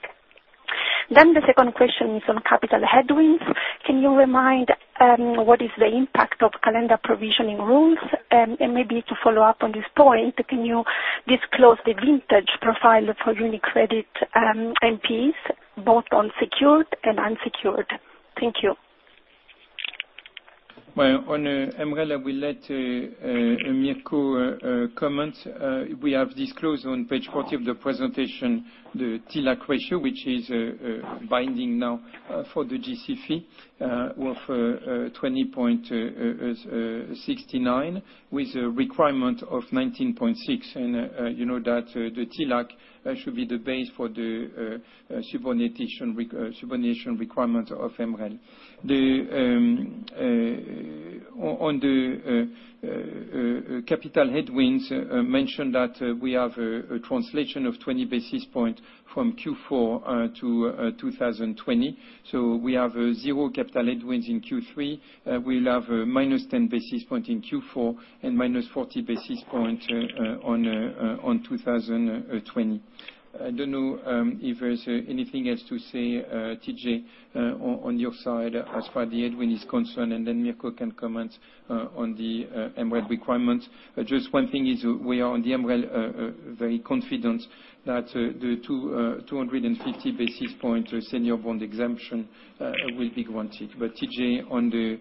The second question is on capital headwinds. Can you remind what is the impact of calendar provisioning rules? Maybe to follow up on this point, can you disclose the vintage profile for UniCredit NPLs, both on secured and unsecured? Thank you. On MREL, I will let Mirco comment. We have disclosed on page 40 of the presentation, the TLAC ratio, which is binding now for the GCFE of 20.69, with a requirement of 19.6. You know that the TLAC should be the base for the subordination requirement of MREL. On the capital headwinds, I mentioned that we have a translation of 20 basis points from Q4 to 2020. We have zero capital headwinds in Q3. We'll have minus 10 basis point in Q4 and minus 40 basis point on 2020. I don't know if there's anything else to say, TJ, on your side as far as the headwind is concerned, and then Mirco can comment on the MREL requirements. Just one thing is we are, on the MREL, very confident that the 250 basis point senior bond exemption will be granted. TJ, on the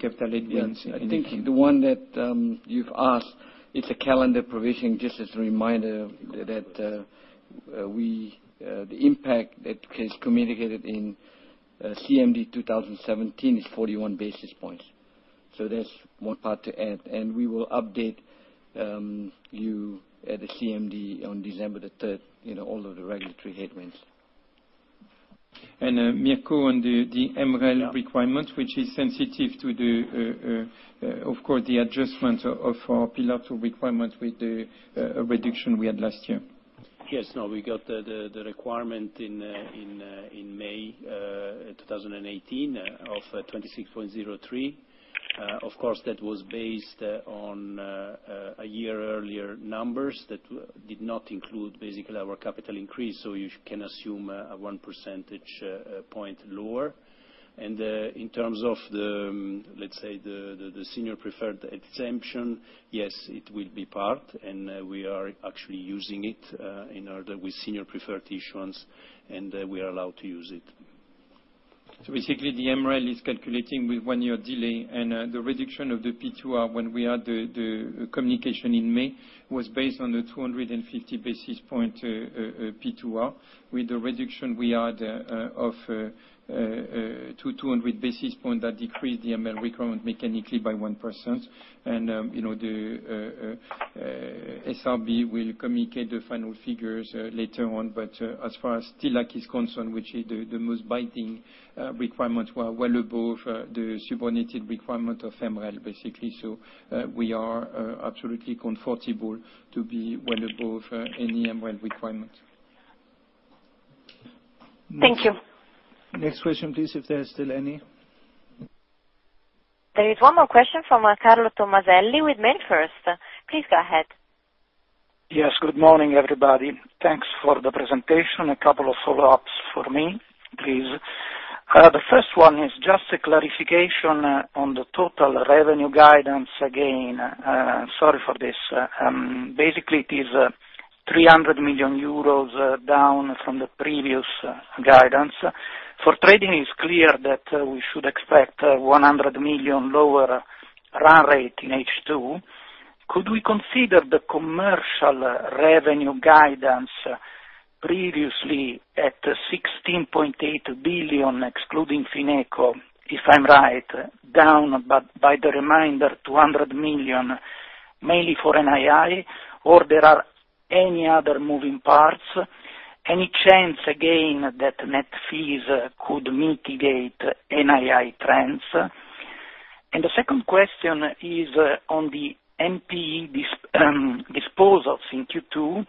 capital headwinds. I think the one that you've asked, it's a calendar provision, just as a reminder that the impact that is communicated in CMD 2017 is 41 basis points. That's one part to add, and we will update you at the CMD on December 3rd, all of the regulatory headwinds. Mirco, on the MREL requirement, which is sensitive to the, of course, the adjustment of our Pillar 2 requirement with the reduction we had last year. Yes. No, we got the requirement in May 2018 of 26.03. Of course, that was based on a year earlier numbers that did not include basically our capital increase, so you can assume a one percentage point lower. In terms of the, let's say, the senior preferred exemption, yes, it will be part, and we are actually using it in order with senior preferred issuance, and we are allowed to use it. Basically the MREL is calculating with one year delay, and the reduction of the P2R when we had the communication in May was based on the 250 basis point P2R. With the reduction we had of 200 basis point, that decreased the MREL requirement mechanically by 1%. SRB will communicate the final figures later on. As far as TLAC is concerned, which is the most binding requirement, we're well above the subordinated requirement of MREL, basically. We are absolutely comfortable to be well above any MREL requirement. Thank you. Next question, please, if there's still any? There is one more question from Carlo Tommaselli with Mediobanca. Please go ahead. Yes. Good morning, everybody. Thanks for the presentation. A couple of follow-ups for me, please. The first one is just a clarification on the total revenue guidance again. Sorry for this. Basically, it is 300 million euros down from the previous guidance. For trading, it's clear that we should expect 100 million lower run rate in H2. Could we consider the commercial revenue guidance previously at 16.8 billion, excluding FinecoBank, if I'm right, down by the remainder 200 million, mainly for NII, or there are any other moving parts? Any chance, again, that net fees could mitigate NII trends? The second question is on the NPE disposals in Q2.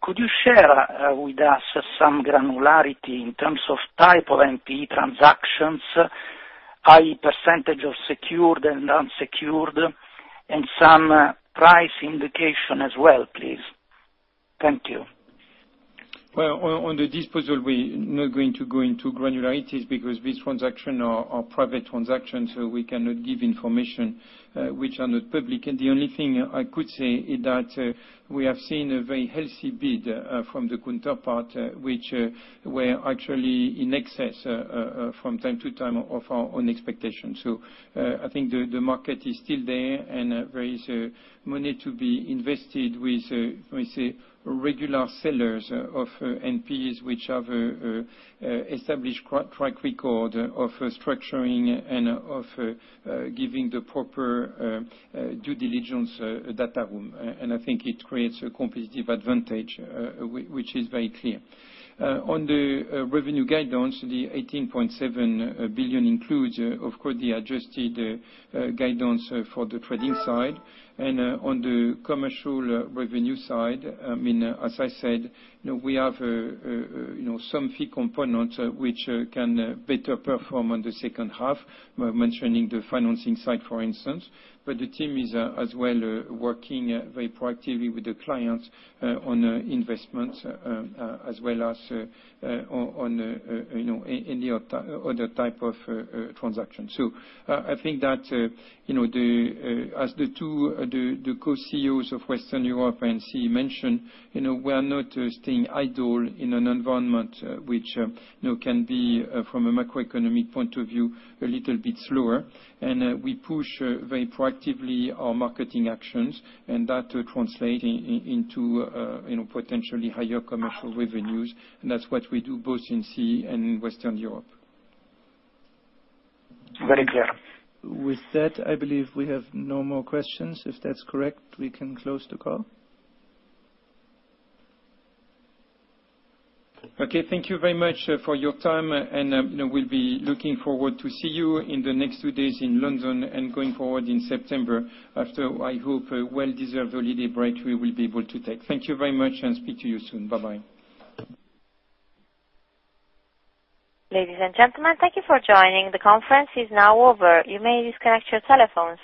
Could you share with us some granularity in terms of type of NPE transactions? High percentage of secured and unsecured, and some price indication as well, please. Thank you. Well, on the disposal, we are not going to go into granularities because these transactions are private transactions, so we cannot give information which are not public. The only thing I could say is that we have seen a very healthy bid from the counterpart, which were actually in excess from time to time of our own expectations. I think the market is still there, and there is money to be invested with, say, regular sellers of NPs, which have established track record of structuring and of giving the proper due diligence data room. I think it creates a competitive advantage, which is very clear. On the revenue guidance, the 18.7 billion includes, of course, the adjusted guidance for the trading side. On the commercial revenue side, as I said, we have some fee components which can better perform on the second half, mentioning the financing side, for instance. The team is as well working very proactively with the clients on investments as well as on any other type of transaction. I think that as the two Co-CEOs of Commercial Banking, Western Europe and CIB mentioned, we are not staying idle in an environment which can be, from a macroeconomic point of view, a little bit slower. We push very proactively our marketing actions and that translate into potentially higher commercial revenues. That's what we do both in CIB and Commercial Banking, Western Europe. Very clear. With that, I believe we have no more questions. If that's correct, we can close the call. Okay, thank you very much for your time, and we'll be looking forward to see you in the next two days in London and going forward in September after, I hope, a well-deserved holiday break we will be able to take. Thank you very much and speak to you soon. Bye-bye. Ladies and gentlemen, thank you for joining. The conference is now over. You may disconnect your telephones.